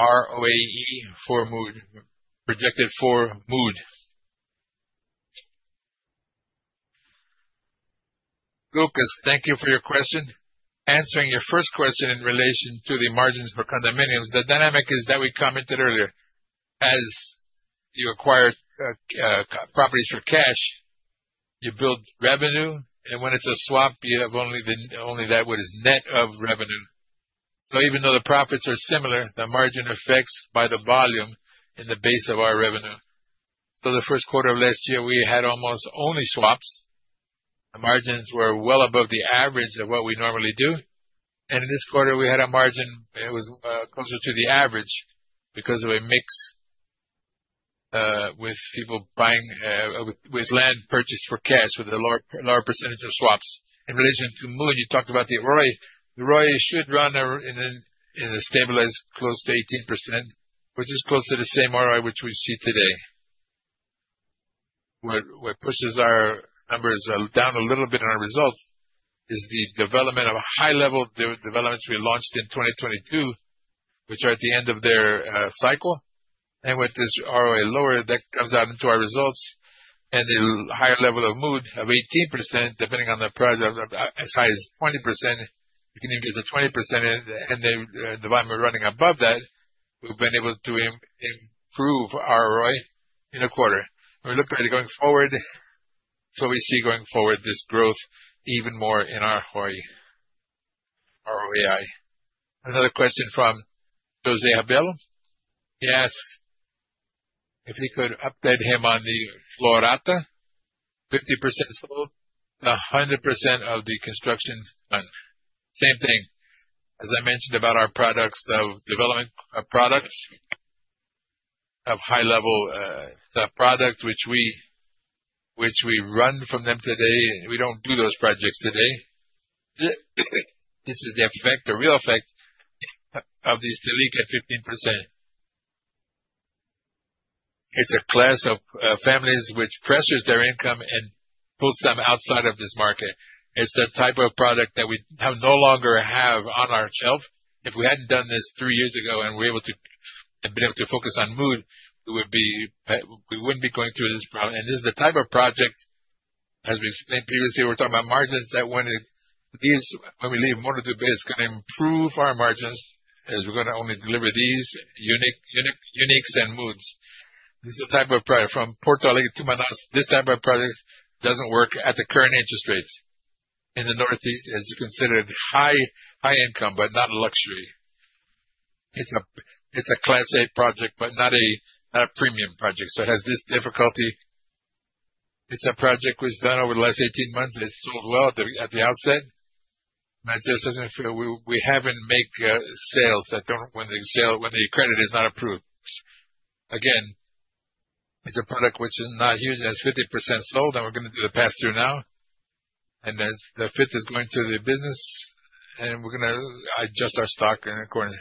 ROAE for Mood, projected for Mood. Lucas, thank you for your question. Answering your first question in relation to the margins for condominiums, the dynamic is that we commented earlier. As you acquire properties for cash, you build revenue, and when it's a swap, you have only that what is net of revenue. So even though the profits are similar, the margin affects by the volume in the base of our revenue. The first quarter of last year, we had almost only swaps. The margins were well above the average of what we normally do. In this quarter, we had a margin that was closer to the average because of a mix with people buying with land purchased for cash with a lower percentage of swaps. In relation to Mood, you talked about the ROI. The ROI should run in a stabilized close to 18%, which is close to the same ROI which we see today. What pushes our numbers down a little bit on our results is the development of high-level developments we launched in 2022, which are at the end of their cycle. With this ROI lower, that comes out into our results. The higher level of Mood of 18%, depending on the price of as high as 20%, it can even be the 20%. Then the volume we're running above that, we've been able to improve our ROI in a quarter. We look pretty going forward. We see going forward this growth even more in our ROI, ROE. Another question from José Abello. He asked if he could update him on the Florata, 50% sold, 100% of the construction fund. Same thing. As I mentioned about our products, the development of products of high level, the product which we run from them today, we don't do those projects today. This is the real effect of this Selic at 15%. It's a class of families which pressures their income and pulls them outside of this market. It's the type of product that we no longer have on our shelf. If we hadn't done this three years ago and have been able to focus on Mood, we would be, we wouldn't be going through this problem. This is the type of project, as we've explained previously, we're talking about margins that when we leave one or two basis can improve our margins. We're gonna only deliver these Única and Mood. This is the type of product from Porto Alegre to Manaus. This type of project doesn't work at the current interest rates. In the Northeast, it's considered high income, but not a luxury. It's a Class A project but not a premium project. So it has this difficulty. It's a project we've done over the last 18 months. It sold well at the outset. It just doesn't feel. We haven't made sales when the credit is not approved. Again, it's a product which is not huge, and it's 50% sold, and we're gonna do the pass-through now. As the fifth is going to the business, and we're gonna adjust our stock accordingly.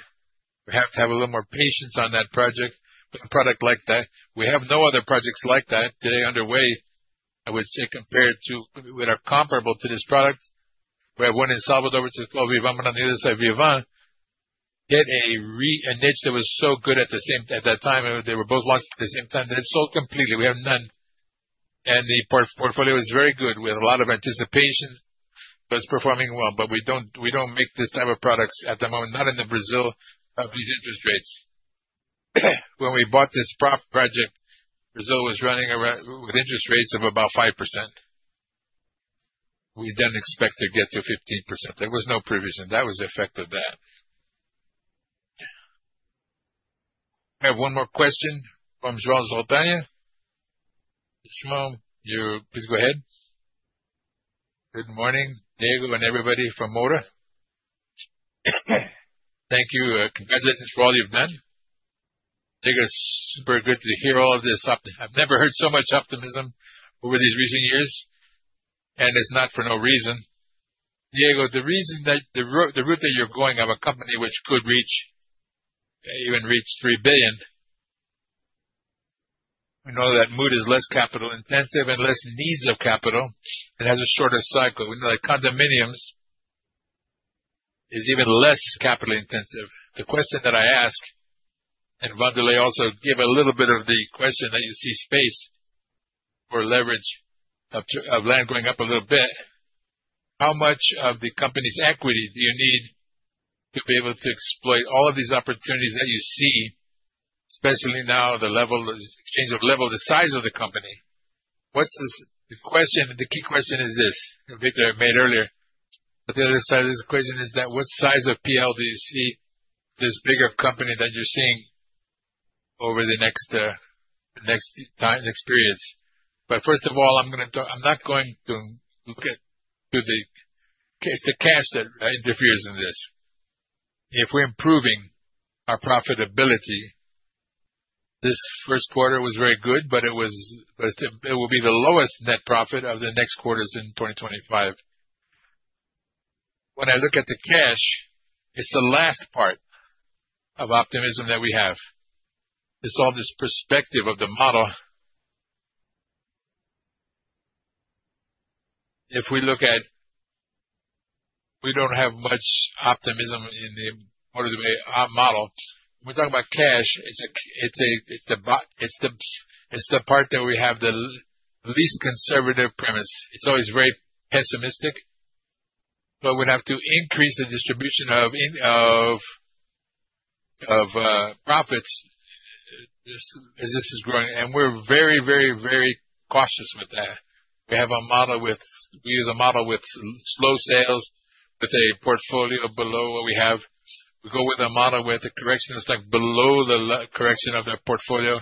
We have to have a little more patience on that project. With a product like that, we have no other projects like that today underway, I would say, compared to what are comparable to this product. We have one in Salvador, which is Flo Vivamon, on the other side, Vivant. A niche that was so good at that time. They were both launched at the same time. They're sold completely. We have none. The portfolio is very good. We have a lot of appreciation that's performing well, but we don't make this type of products at the moment, not in the Brazil of these interest rates. When we bought this project, Brazil was running around with interest rates of about 5%. We didn't expect to get to 15%. There was no provision. That was the effect of that. I have one more question from João Zotesso. João, you please go ahead. Good morning, Diego and everybody from Moura. Thank you. Congratulations for all you've done. I think it's super good to hear all of this optimism. I've never heard so much optimism over these recent years, and it's not for no reason. Diego, the reason that the route that you're going of a company which could reach 3 billion, we know that Mood is less capital-intensive and less needs of capital and has a shorter cycle. Like, condominiums is even less capital-intensive. The question that I ask, and Wanderley also gave a little bit of the question that you see space for leverage of land going up a little bit. How much of the company's equity do you need to be able to exploit all of these opportunities that you see, especially now the level, the change of level, the size of the company? What's this. The question, the key question is this, Victor made earlier. The other side of this equation is that what size of P&L do you see this bigger company that you're seeing over the next period? I'm not going to look at the cash that interferes in this. If we're improving our profitability, this first quarter was very good, but it will be the lowest net profit of the next quarters in 2025. When I look at the cash, it's the last part of optimism that we have. It's all this perspective of the model. We don't have much optimism in the part of the way our model. We're talking about cash. It's the part that we have the least conservative premise. It's always very pessimistic. We'd have to increase the distribution of profits as this is growing. We're very, very, very cautious with that. We use a model with slow sales, with a portfolio below what we have. We go with a model where the correction is, like, below the correction of the portfolio.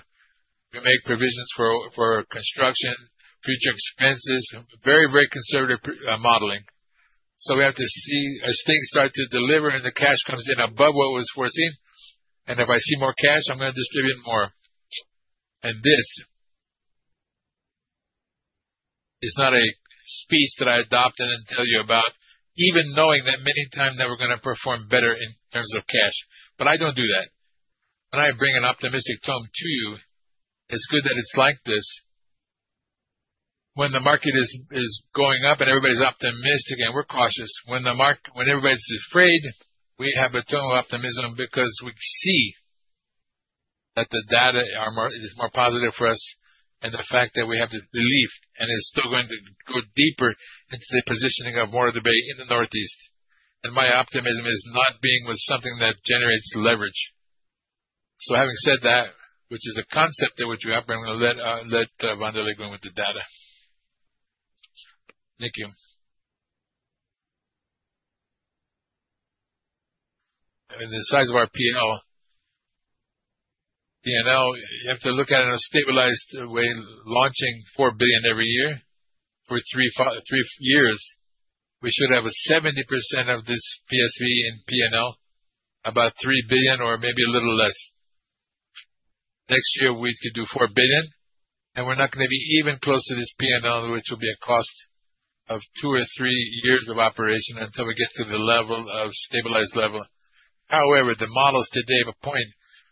We make provisions for construction, future expenses. Very conservative modeling. We have to see as things start to deliver and the cash comes in above what was foreseen. If I see more cash, I'm gonna distribute more. This is not a speech that I adopted and tell you about, even knowing that many times that we're gonna perform better in terms of cash. I don't do that. When I bring an optimistic tone to you, it's good that it's like this. When the market is going up and everybody's optimistic and we're cautious, when everybody's afraid, we have a tone of optimism because we see that the data is more positive for us, and the fact that we have the belief and it is still going to go deeper into the positioning of Moura Dubeux in the Northeast. My optimism is not being with something that generates leverage. Having said that, which is a concept that we operate, I'm gonna let Diego Wanderley go in with the data. Thank you. The size of our P&L, you have to look at it in a stabilized way, launching 4 billion every year for three-five years. We should have 70% of this PSV and P&L, about 3 billion or maybe a little less. Next year, we could do 4 billion, and we're not gonna be even close to this P&L, which will be a cost of two or three years of operation until we get to the stabilized level. However, the models today have a point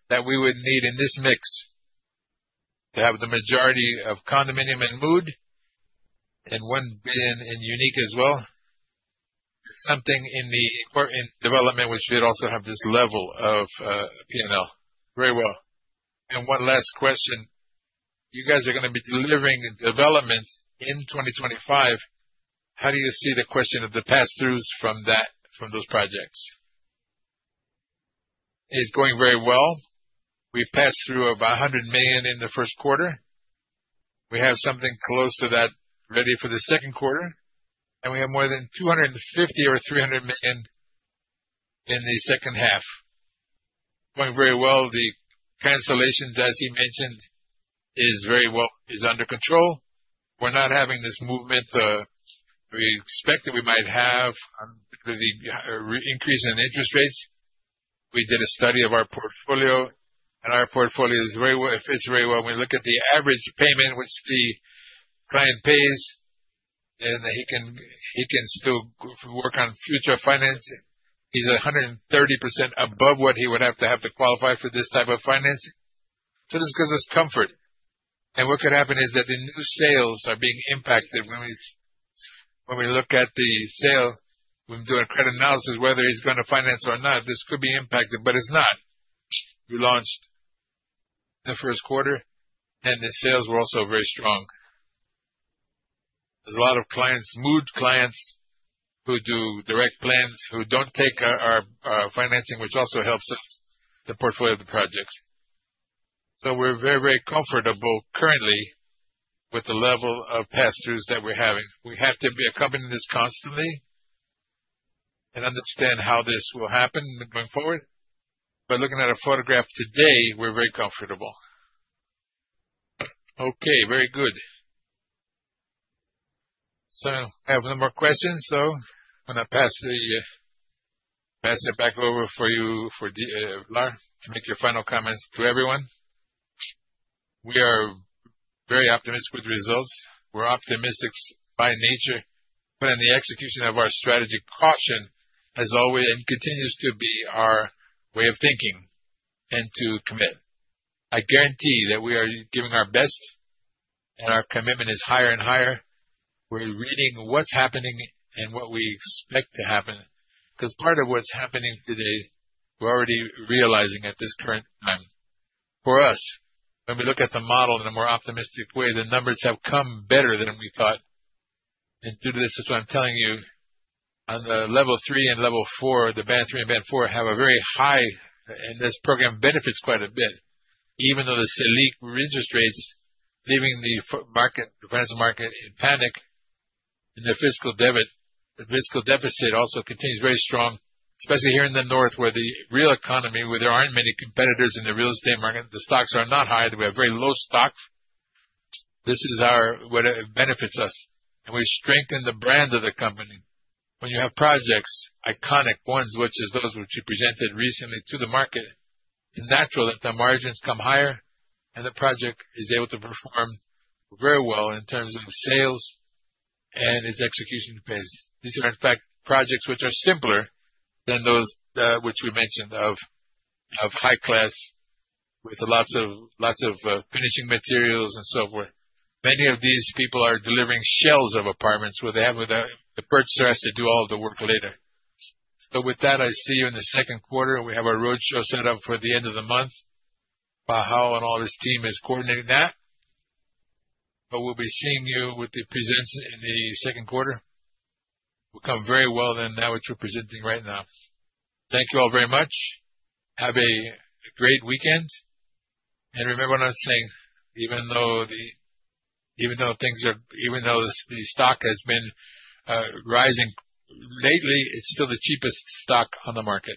that we would need in this mix to have the majority of condominium in Mood and 1 billion in Única as well. Something in the important development which should also have this level of P&L. Very well. One last question. You guys are gonna be delivering development in 2025. How do you see the question of the pass-throughs from that, from those projects? It's going very well. We passed through about 100 million in the first quarter. We have something close to that ready for the second quarter, and we have more than 250 million or 300 million in the second half. Going very well. The cancellations, as he mentioned, is very well under control. We're not having this movement we expected we might have with the recent increase in interest rates. We did a study of our portfolio, and our portfolio is very well. It fits very well. When we look at the average payment which the client pays, and he can still get financing on future financing. He's 130% above what he would have to have to qualify for this type of financing. So this gives us comfort. What could happen is that the new sales are being impacted. When we look at the sales, when we do a credit analysis, whether he's gonna finance or not, this could be impacted, but it's not. We launched in the first quarter, and the sales were also very strong. There's a lot of clients, Mood clients, who do direct plans, who don't take our financing, which also helps us, the portfolio of the project. We're very, very comfortable currently with the level of pass-throughs that we're having. We have to be accompanying this constantly and understand how this will happen going forward. By looking at a snapshot today, we're very comfortable. Okay, very good. I have no more questions, so I'm gonna pass it back over to you, to Diogo Barral, to make your final comments to everyone. We are very optimistic with the results. We're optimists by nature, but in the execution of our strategy, caution has always and continues to be our way of thinking and to commit. I guarantee that we are giving our best, and our commitment is higher and higher. We're reading what's happening and what we expect to happen, because part of what's happening today, we're already realizing at this current time. For us, when we look at the model in a more optimistic way, the numbers have come better than we thought. Due to this, that's why I'm telling you on the level three and level four, the band three and band four have a very high, and this program benefits quite a bit. Even though the Selic interest rates, leaving the financial market in panic and the fiscal deficit also continues very strong, especially here in the North, where the real economy, where there aren't many competitors in the real estate market, the stocks are not high. We have very low stock. This is what benefits us, and we strengthen the brand of the company. When you have projects, iconic ones, which is those which you presented recently to the market, it's natural that the margins come higher and the project is able to perform very well in terms of sales and its execution phase. These are, in fact, projects which are simpler than those which we mentioned of high class with lots of finishing materials and so forth. Many of these people are delivering shells of apartments where the purchaser has to do all the work later. With that, I'll see you in the second quarter. We have a roadshow set up for the end of the month. Diogo Barral and all his team is coordinating that. We'll be seeing you with the presentations in the second quarter. We come very well ahead of that which we're presenting right now. Thank you all very much. Have a great weekend. Remember what I was saying, even though the stock has been rising lately, it's still the cheapest stock on the market.